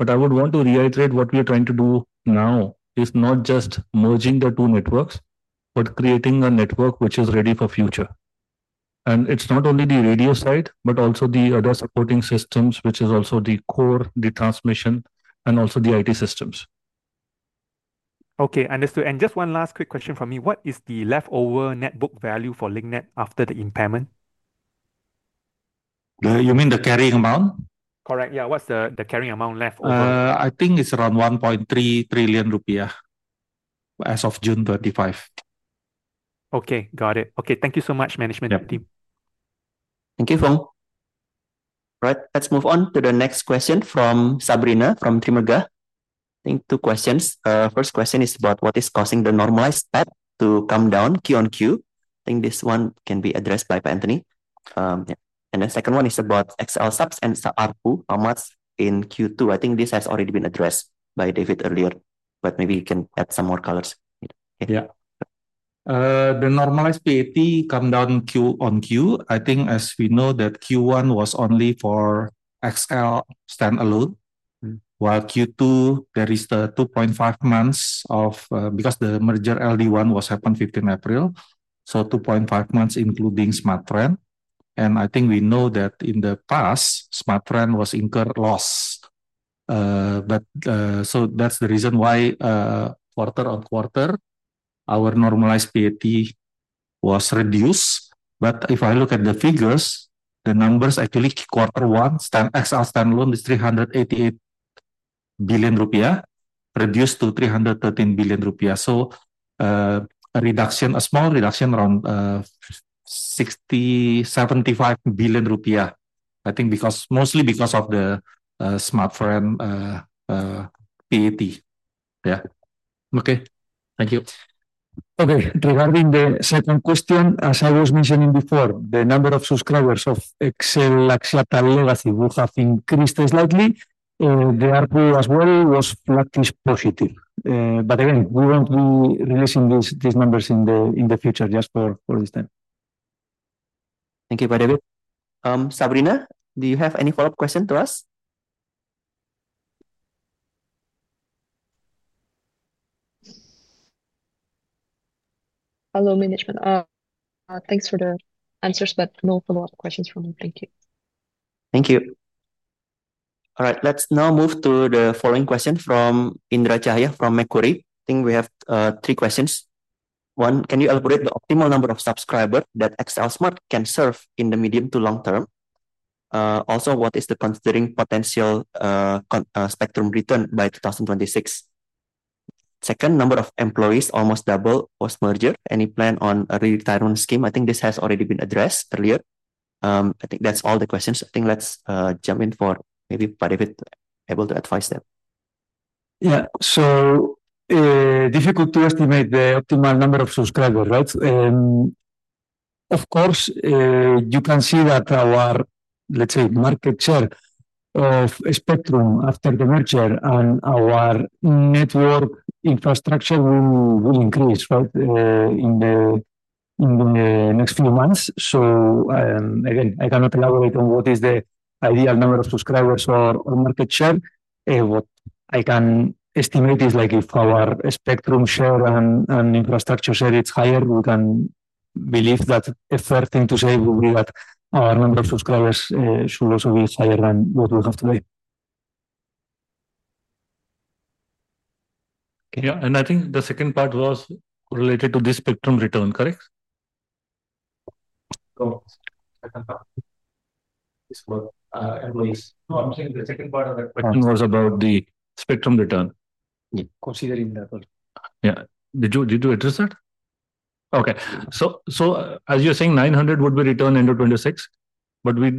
I would want to reiterate what we are trying to do now is not just merging the two networks, but creating a network which is ready for the future. It's not only the radio side, but also the other supporting systems, which is also the core, the transmission, and also the IT systems. Okay. Understood. Just one last quick question from me. What is the leftover net book value for Link Net after the impairment? You mean the carrying amount? Correct. Yeah, what's the carrying amount left? I think it's around 1.3 trillion rupiah as of June 2025. Okay. Got it. Okay. Thank you so much, management team. Thank you, Phil. All right. Let's move on to the next question from Sabrina from Trimaga. I think two questions. First question is about what is causing the normalized PAT to come down QoQ. I think this one can be addressed by Pak Antony. The second one is about XL Subs and ARPU amounts in Q2. I think this has already been addressed by David earlier, but maybe you can add some more colors. Yeah. The normalized PAT come down QoQ. I think, as we know, that Q1 was only for XL Axiata standalone, while Q2, there is the 2.5 months of because the merger LD1 happened on the 15th of April, so 2.5 months including Smartfren. I think we know that in the past, Smartfren was incurred loss. That's the reason why, quarter on quarter, our normalized PAT was reduced. If I look at the figures, the numbers actually quarter one, XL Axiata standalone is 388 billion rupiah, reduced to 313 billion rupiah. A reduction, a small reduction around 60 billion rupiah, 75 billion, I think, mostly because of the Smartfren PAT. Yeah. Okay. Thank you. Okay. Regarding the second question, as I was mentioning before, the number of subscribers of XL Axiata legacy will have increased slightly. The ARPU as well was practically positive. Again, we won't be releasing these numbers in the future, just for this time. Thank you, Pak David. Sabrina, do you have any follow-up questions to us? Hello, management. Thanks for the answers, but no follow-up questions from me. Thank you. Thank you. All right. Let's now move to the following question from Indra Chahya from Mekuri. I think we have three questions. One, can you elaborate the optimal number of subscribers that XL Smart can serve in the medium to long term? Also, what is the considering potential spectrum return by 2026? Second, number of employees almost doubled post-merger. Any plan on a retirement scheme? I think this has already been addressed earlier. I think that's all the questions. I think let's jump in for maybe Pak David able to advise them. Yeah. Difficult to estimate the optimal number of subscribers, right? Of course, you can see that our, let's say, market share of spectrum after the merger and our network infrastructure will increase, right, in the next few months. Again, I cannot elaborate on what is the ideal number of subscribers or market share. What I can estimate is like if our spectrum share and infrastructure share is higher, we can believe that a fair thing to say will be that our number of subscribers should also be higher than what we have today. Yeah, I think the second part was related to this spectrum return, correct? No. I'm sorry. The second part of the question was about the spectrum return. Yeah, considering that. Did you address that? Okay. As you're saying, 900 MHz would be returned end of 2026, but we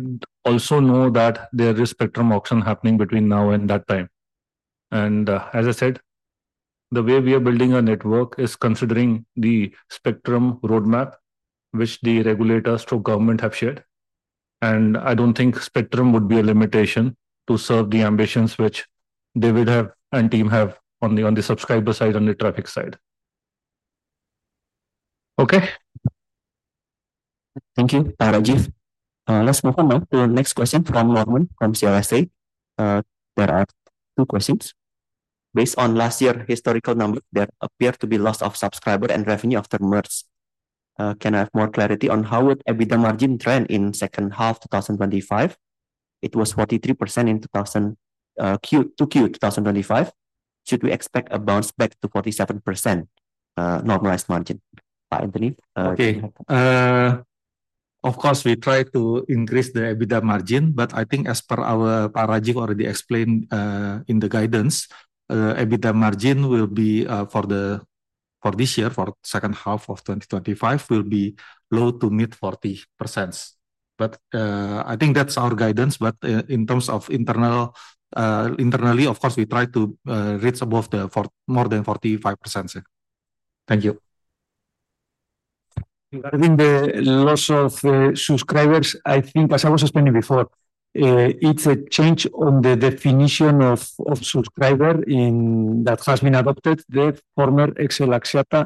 also know that there is a spectrum auction happening between now and that time. As I said, the way we are building our network is considering the spectrum roadmap, which the regulators and government have shared. I don't think spectrum would be a limitation to serve the ambitions which David and team have on the subscriber side, on the traffic side. Okay? Thank you, Rajeev. Let's move on now to the next question from Norman from CLSA. There are two questions. Based on last year's historical numbers, there appear to be loss of subscriber and revenue after merge. Can I have more clarity on how would EBITDA margin trend in the second half of 2025? It was 43% in Q2 2025. Should we expect a bounce back to 47% normalized margin? Pak Antony? Okay. Of course, we try to increase the EBITDA margin, but I think as per our Pak Rajeev already explained in the guidance, the EBITDA margin will be for this year, for the second half of 2025, will be low to mid-40%. I think that's our guidance. In terms of internally, of course, we try to reach above the more than 45%. Thank you. Regarding the loss of subscribers, I think as I was explaining before, it's a change on the definition of subscriber that has been adopted, the former XL Axiata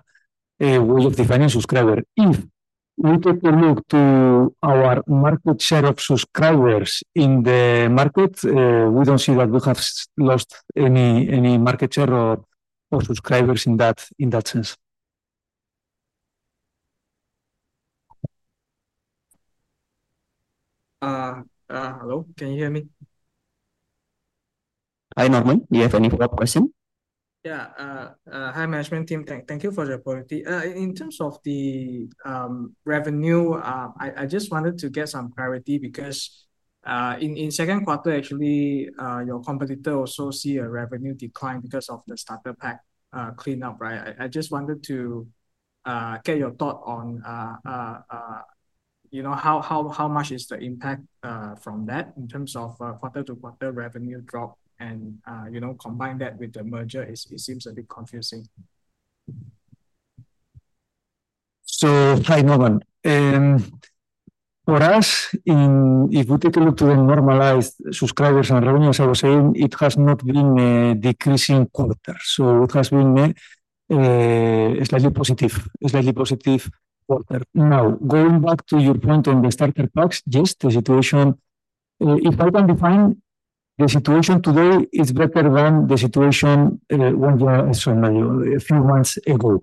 way of defining subscriber. If we take a look to our market share of subscribers in the market, we don't see that we have lost any market share or subscribers in that sense. Hello? Can you hear me? Hi, Norman. Do you have any follow-up question? Yeah. Hi, management team. Thank you for the report. In terms of the revenue, I just wanted to get some clarity because in the second quarter, actually, your competitor also sees a revenue decline because of the starter pack cleanup, right? I just wanted to get your thought on how much is the impact from that in terms of quarter-to-quarter revenue drop. You know, combine that with the merger, it seems a bit confusing. Hi, Norman. What else? If we take a look at the normalized subscribers and revenue, as I was saying, it has not been a decreasing quarter. It has been a slightly positive quarter. Now, going back to your point on the starter packs, yes, the situation, if I can define, the situation today is better than the situation when we were estimating a few months ago.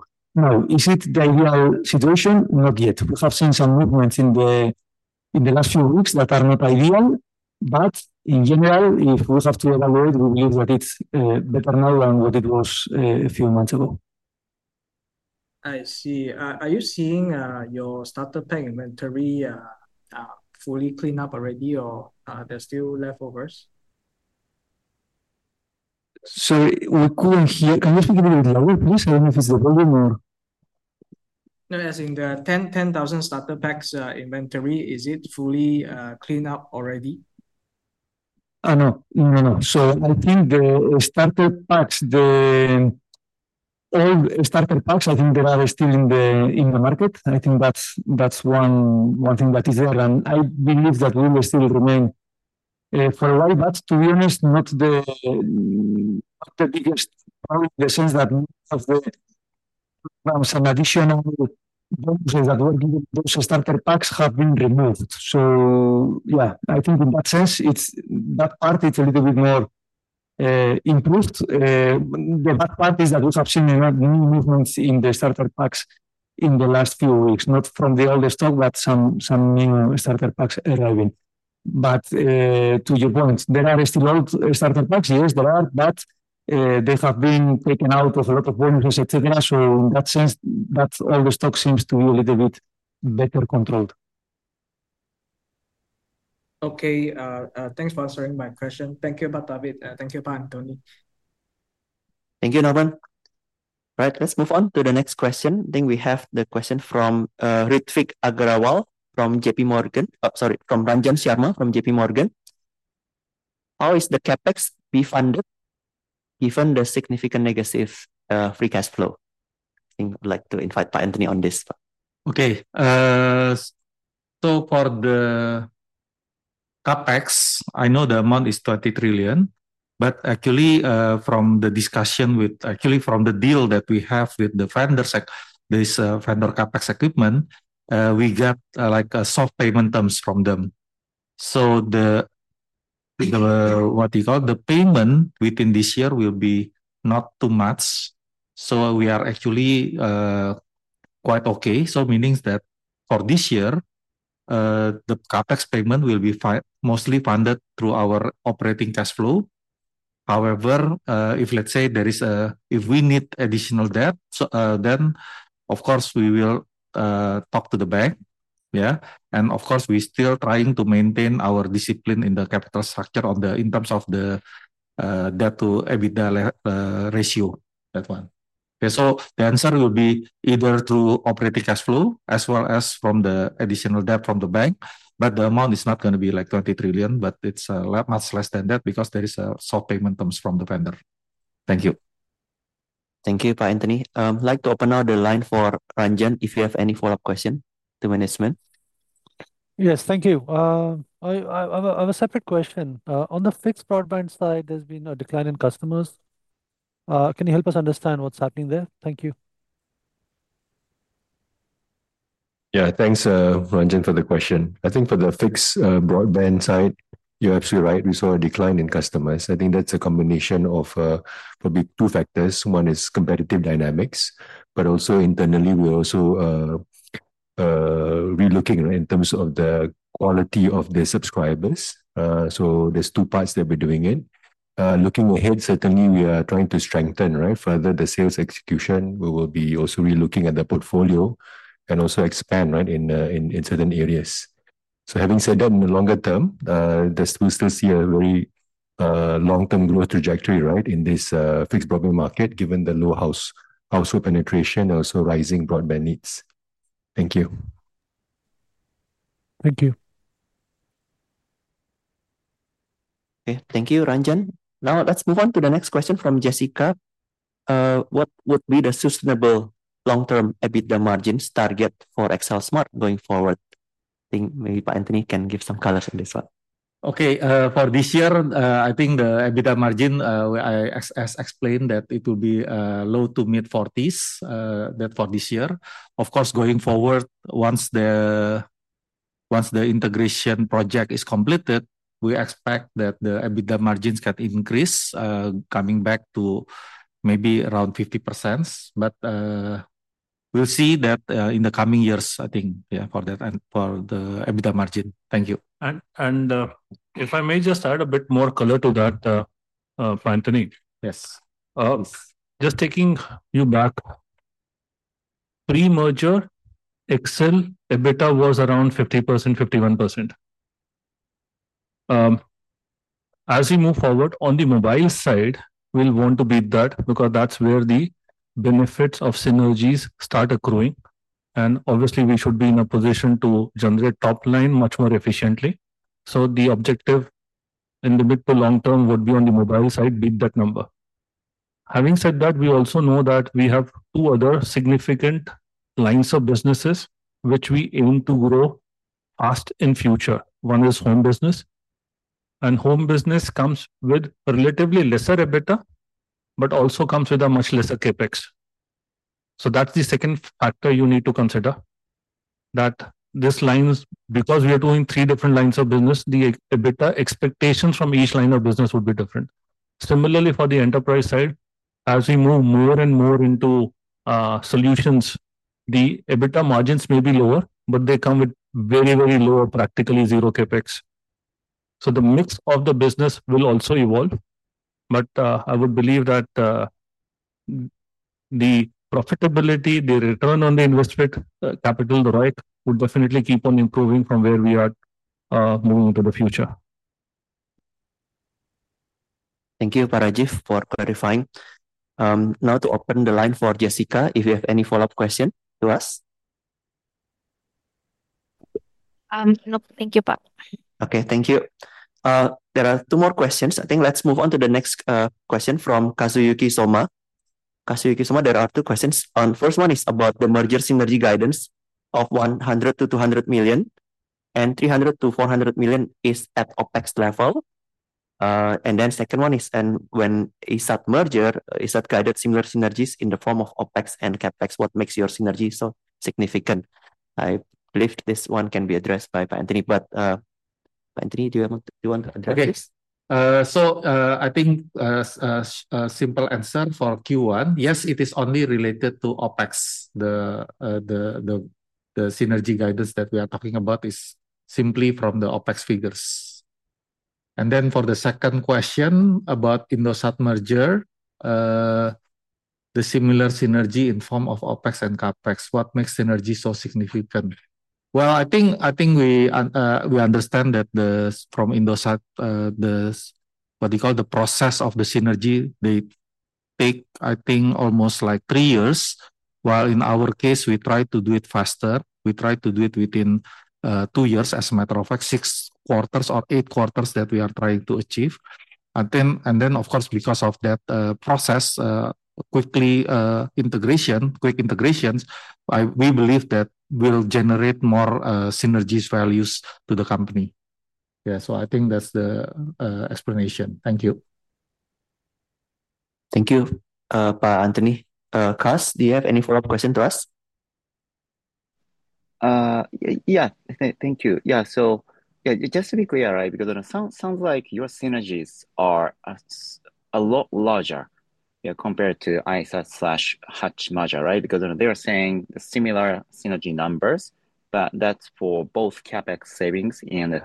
Is it the ideal situation? Not yet. We have seen some movements in the last few weeks that are not ideal. In general, if we have to evaluate, we believe that it's better now than what it was a few months ago. I see. Are you seeing your starter pack inventory fully cleaned up already, or are there still leftovers? Sorry, we couldn't hear. Can you speak a little bit louder? What is the benefit of the problem? No, I'm asking the 10,000 starter packs inventory. Is it fully cleaned up already? No, no, no. I think the starter packs, all starter packs, I think they are still in the market. I think that's one thing that is there, and I believe that we will still remain for a while. To be honest, not the biggest problem in the sense that some additional bonuses that were given to those starter packs have been removed. In that sense, it's that part, it's a little bit more improved. The bad part is that we have seen many movements in the starter packs in the last few weeks, not from the old stock, but some new starter packs arriving. To your point, there are still old starter packs, yes, there are, but they have been taken out of a lot of bonuses, etc. In that sense, that old stock seems to be a little bit better controlled. Okay. Thanks for answering my question. Thank you, Pak David. Thank you, Pak Antony. Thank you, Norman. All right. Let's move on to the next question. I think we have the question from Ritvik Agrawal from JPMorgan, sorry, from Ramjan Sharma from JP Morgan. How is the CapEx refunded given the significant negative free cash flow? I think I'd like to invite Pak Antony on this. Okay. For the CapEx, I know the amount is 20 trillion, but actually, from the discussion with the vendors, there is a vendor CapEx equipment. We get like a soft payment terms from them. What is called the payment within this year will be not too much. We are actually quite okay. Meaning that for this year, the CapEx payment will be mostly funded through our operating cash flow. However, if let's say we need additional debt, then of course, we will talk to the bank. Of course, we're still trying to maintain our discipline in the capital structure in terms of the debt-to-EBITDA ratio. The answer will be either through operating cash flow as well as from the additional debt from the bank. The amount is not going to be like 20 trillion, but it's much less than that because there is a soft payment terms from the vendor. Thank you. Thank you, Pak Antony. I'd like to open up the line for Pak Anjan if you have any follow-up questions to management. Yes, thank you. I have a separate question. On the fixed broadband side, there's been a decline in customers. Can you help us understand what's happening there? Thank you. Yeah. Thanks, Ranjan, for the question. I think for the fixed broadband side, you're absolutely right. We saw a decline in customers. I think that's a combination of probably two factors. One is competitive dynamics, but also internally, we're also relooking in terms of the quality of the subscribers. There's two parts that we're doing it. Looking ahead, certainly, we are trying to strengthen, right, further the sales execution. We will be also relooking at the portfolio and also expand, right, in certain areas. Having said that, in the longer term, we still see a very long-term growth trajectory, right, in this fixed broadband market, given the low household penetration and also rising broadband needs. Thank you. Thank you. Okay. Thank you, Ranjan. Now, let's move on to the next question from Jessica. What would be the sustainable long-term EBITDA margins target for XL Smart going forward? I think maybe Pak Antony can give some color for this one. Okay. For this year, I think the EBITDA margin, as explained, that it will be low to mid-40% for this year. Of course, going forward, once the integration project is completed, we expect that the EBITDA margins can increase, coming back to maybe around 50%. We'll see that in the coming years, I think, yeah, for that and for the EBITDA margin. Thank you. If I may just add a bit more color to that, Pak Antony. Yes. Just taking you back, pre-merger, XL EBITDA was around 50%, 51%. As we move forward on the mobile side, we'll want to beat that because that's where the benefits of synergies start accruing. We should be in a position to generate top line much more efficiently. The objective in the mid to long term would be on the mobile side, beat that number. Having said that, we also know that we have two other significant lines of businesses which we aim to grow fast in the future. One is home business. Home business comes with relatively lesser EBITDA, but also comes with a much lesser Capex. That's the second factor you need to consider, that these lines, because we are doing three different lines of business, the EBITDA expectations from each line of business would be different. Similarly, for the enterprise side, as we move more and more into solutions, the EBITDA margins may be lower, but they come with very, very low or practically zero CapEx. The mix of the business will also evolve. I would believe that the profitability, the return on the investment, capital ROIC, would definitely keep on improving from where we are moving into the future. Thank you, Rajeev, for clarifying. Now to open the line for Jessica, if you have any follow-up questions to us. Nope. Thank you, Pak. Okay. Thank you. There are two more questions. Let's move on to the next question from Kazuyuki Soma. Kazuyuki Soma, there are two questions. The first one is about the merger synergy guidance of $100 million-$200 million, and $300 million- $400 million is at OpEx level. The second one is, and when is that merger? Is that guided similar synergies in the form of OpEx and CapEx? What makes your synergy so significant? I believe this one can be addressed by Pak Antony. Pak Antony, do you want to address this? Okay. I think a simple answer for Q1, yes, it is only related to OpEx. The synergy guidance that we are talking about is simply from the OpEx figures. For the second question about the Indosat merger, the similar synergy in the form of OpEx and CapEx, what makes synergy so significant? I think we understand that from Indosat, the process of the synergy, they take, I think, almost like three years, while in our case, we try to do it faster. We try to do it within two years, as a matter of fact, six quarters or eight quarters that we are trying to achieve. Of course, because of that process, quick integrations, we believe that will generate more synergy values to the company. I think that's the explanation. Thank you. Thank you, Pak Antony. Kars, do you have any follow-up questions to us? Thank you. Yeah, just to be clear, right, because it sounds like your synergies are a lot larger compared to the XL Axiata/Smartfren merger, right? They are saying similar synergy numbers, but that's for both CapEx savings and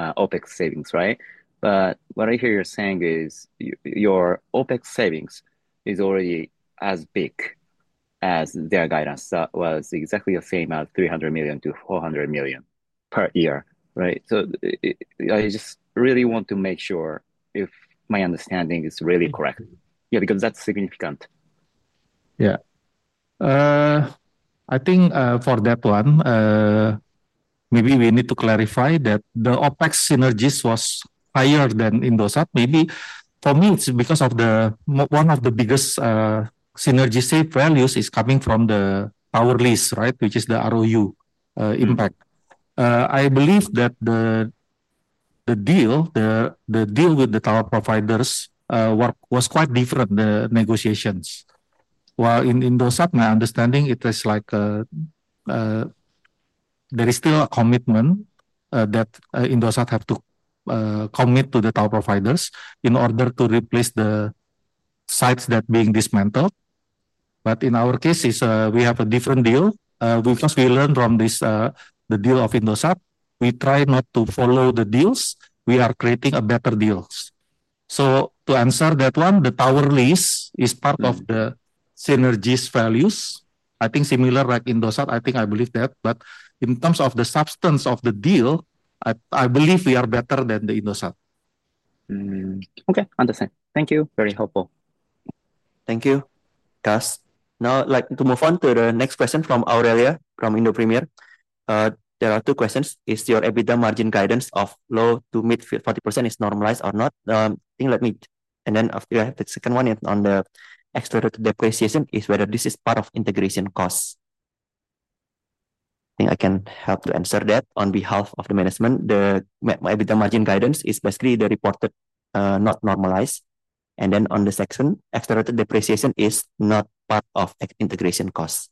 OpEx savings, right? What I hear you're saying is your OpEx savings is already as big as their guidance. That was exactly the same as $300 million-$400 million per year, right? I just really want to make sure if my understanding is really correct, because that's significant. Yeah. I think for that one, maybe we need to clarify that the OpEx synergies were higher than Indosat. Maybe for me, it's because one of the biggest synergy safe values is coming from the tower lease, right, which is the ROU impact. I believe that the deal with the tower providers was quite different, the negotiations. While in Indosat, my understanding, it is like there is still a commitment that Indosat has to commit to the tower providers in order to replace the sites that are being dismantled. In our cases, we have a different deal with. Scale learn from this, the deal of Indosat. We try not to follow the deals. We're creating a better deal. To answer that one, the tower lease is part of the synergy's values. I think similar, like Indosat. I believe that, but in terms of the substance of the deal, I believe we are better than Indosat. Okay, understand. Thank you. Very helpful. Thank you, Kas. Now, I'd like to move on to the next question from Aurelia from Indopremier. There are two questions. Is your EBITDA margin guidance of low to mid 40% normalized or not? I think let me, and then after that, the second one is on the expected depreciation, whether this is part of integration costs. I think I can help to answer that on behalf of the management. The EBITDA margin guidance is basically the reported, not normalized. On the section, expected depreciation is not part of integration costs.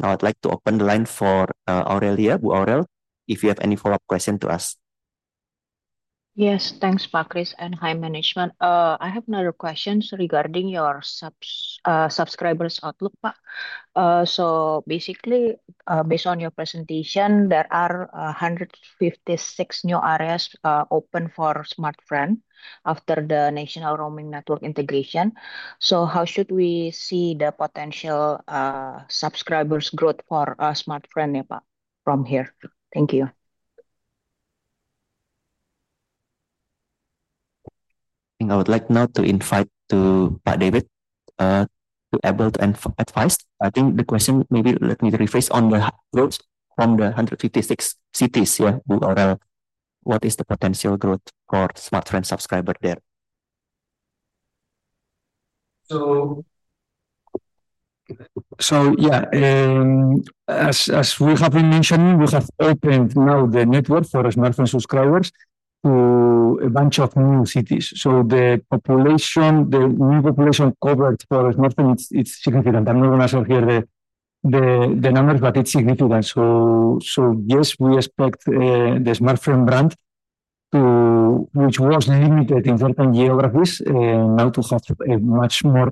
Now I'd like to open the line for Aurelia, if you have any follow-up questions to us. Yes, thanks, Pak Kris, and hi management. I have another question regarding your subscribers' outlook, Pak. Basically, based on your presentation, there are 156 new areas open for Smartfren after the national roaming network integration. How should we see the potential subscribers' growth for Smartfren from here? Thank you. I think I would like now to invite Pak David, to be able to advise. I think the question, maybe let me rephrase, on the growth from the 156 new areas. What is the potential growth for Smartfren's subscribers there? As we have been mentioning, we have opened now the network for Smartfren subscribers to a bunch of new cities. The new population covered for Smartfren is significant. I'm not going to show here the numbers, but it's significant. Yes, we expect the Smartfren brand, which was limited in certain geographies, now to have a much more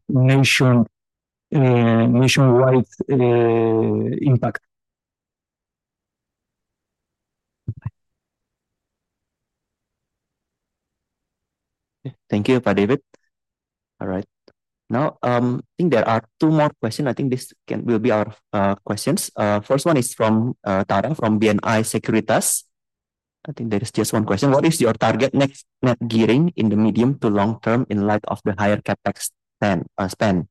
nationwide impact. Thank you, Pak David. All right. Now, I think there are two more questions. I think this will be our questions. First one is from Tara from BNI Securitas. I think there is just one question. What is your target net gearing in the medium to long term in light of the higher CapEx spend?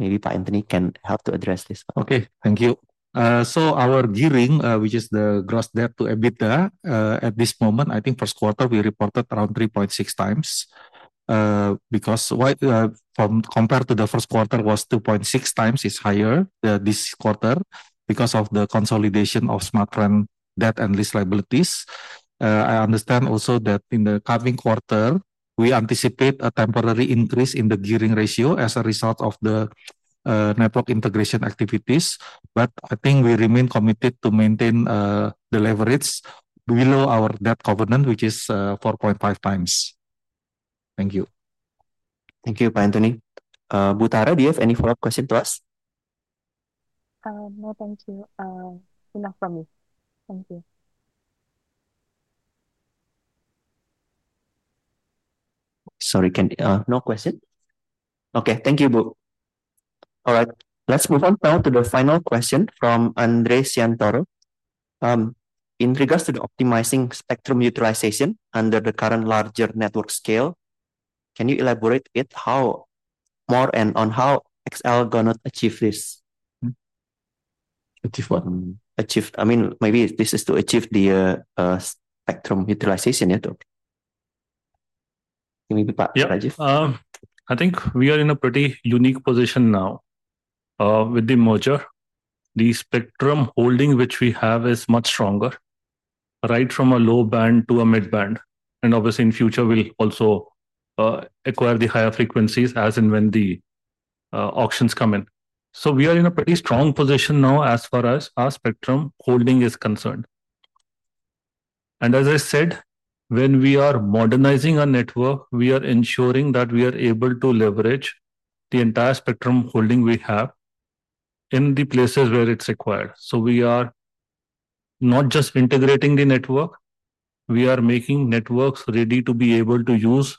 Maybe Pak Antony can help to address this. Okay, thank you. Our gearing, which is the gross debt/EBITDA, at this moment, I think first quarter we reported around 3.6x. Compared to the first quarter, it was 2.6x higher this quarter because of the consolidation of Smartfren's debt and lease liabilities. I understand also that in the coming quarter, we anticipate a temporary increase in the gearing ratio as a result of the network integration activities. I think we remain committed to maintain the leverage below our debt covenant, which is 4.5 times. Thank you. Thank you, Pak Antony. Bhutara, do you have any follow-up questions for us? No, thank you. Enough from me. Thank you. Sorry, can you? No question. Okay, thank you, Bu. All right, let's move on now to the final question from Andreas Yantaro. In regards to the optimizing spectrum utilization under the current larger network scale, can you elaborate it? How more and on how XL Axiata is going to achieve this? Achieve what? Maybe this is to achieve the spectrum utilization. I think we are in a pretty unique position now. With the merger, the spectrum holding which we have is much stronger, right from a low band to a mid band. Obviously, in the future, we'll also acquire the higher frequencies as and when the auctions come in. We are in a pretty strong position now as far as our spectrum holding is concerned. As I said, when we are modernizing our network, we are ensuring that we are able to leverage the entire spectrum holding we have in the places where it's required. We are not just integrating the network. We are making networks ready to be able to use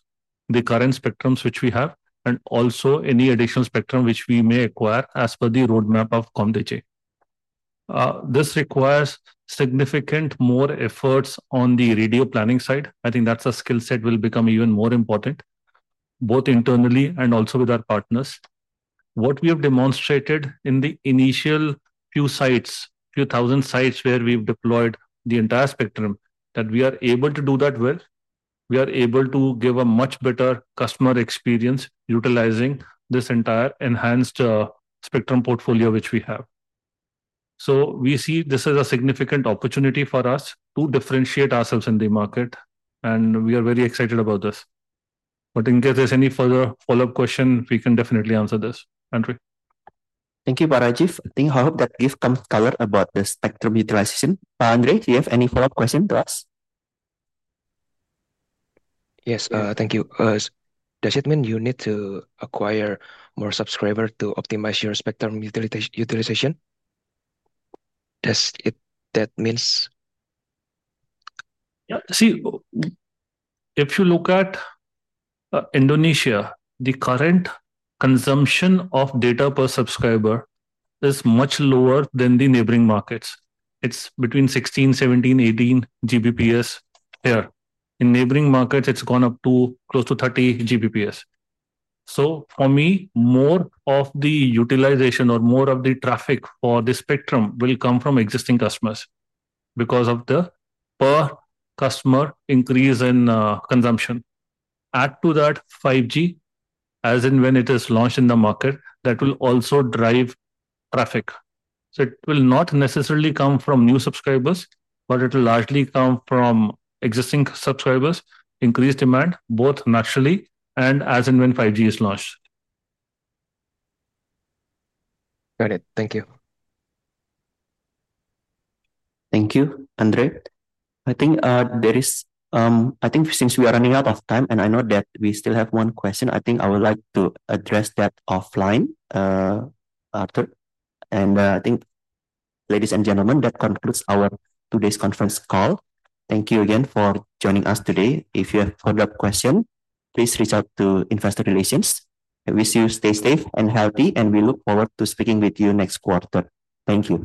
the current spectrums which we have and also any additional spectrum which we may acquire as per the roadmap of Comdijay. This requires significantly more effort on the radio planning side. I think that's a skill set that will become even more important, both internally and also with our partners. What we have demonstrated in the initial few sites, a few thousand sites where we've deployed the entire spectrum, is that we are able to do that well. We are able to give a much better customer experience utilizing this entire enhanced spectrum portfolio which we have. We see this as a significant opportunity for us to differentiate ourselves in the market, and we are very excited about this. In case there's any further follow-up question, we can definitely answer this. Thank you, Pak, Rajeev. I think I hope that gives some color about this spectrum utilization. Andreas, do you have any follow-up questions for us? Yes, thank you. Does it mean you need to acquire more subscribers to optimize your spectrum utilization? Does it mean? If you look at Indonesia, the current consumption of data per subscriber is much lower than the neighboring markets. It's between 16, 17, 18 Gbps here. In neighboring markets, it's gone up to close to 30 Gbps. For me, more of the utilization or more of the traffic for the spectrum will come from existing customers because of the per customer increase in consumption. Add to that 5G, as and when it is launched in the market, that will also drive traffic. It will not necessarily come from new subscribers, but it will largely come from existing subscribers, increased demand, both naturally and as and when 5G is launched. Got it. Thank you. Thank you, Andreas. Since we are running out of time and I know that we still have one question, I would like to address that offline. Ladies and gentlemen, that concludes our today's conference call. Thank you again for joining us today. If you have follow-up questions, please reach out to Investor Relations. I wish you stay safe and healthy, and we look forward to speaking with you next quarter. Thank you.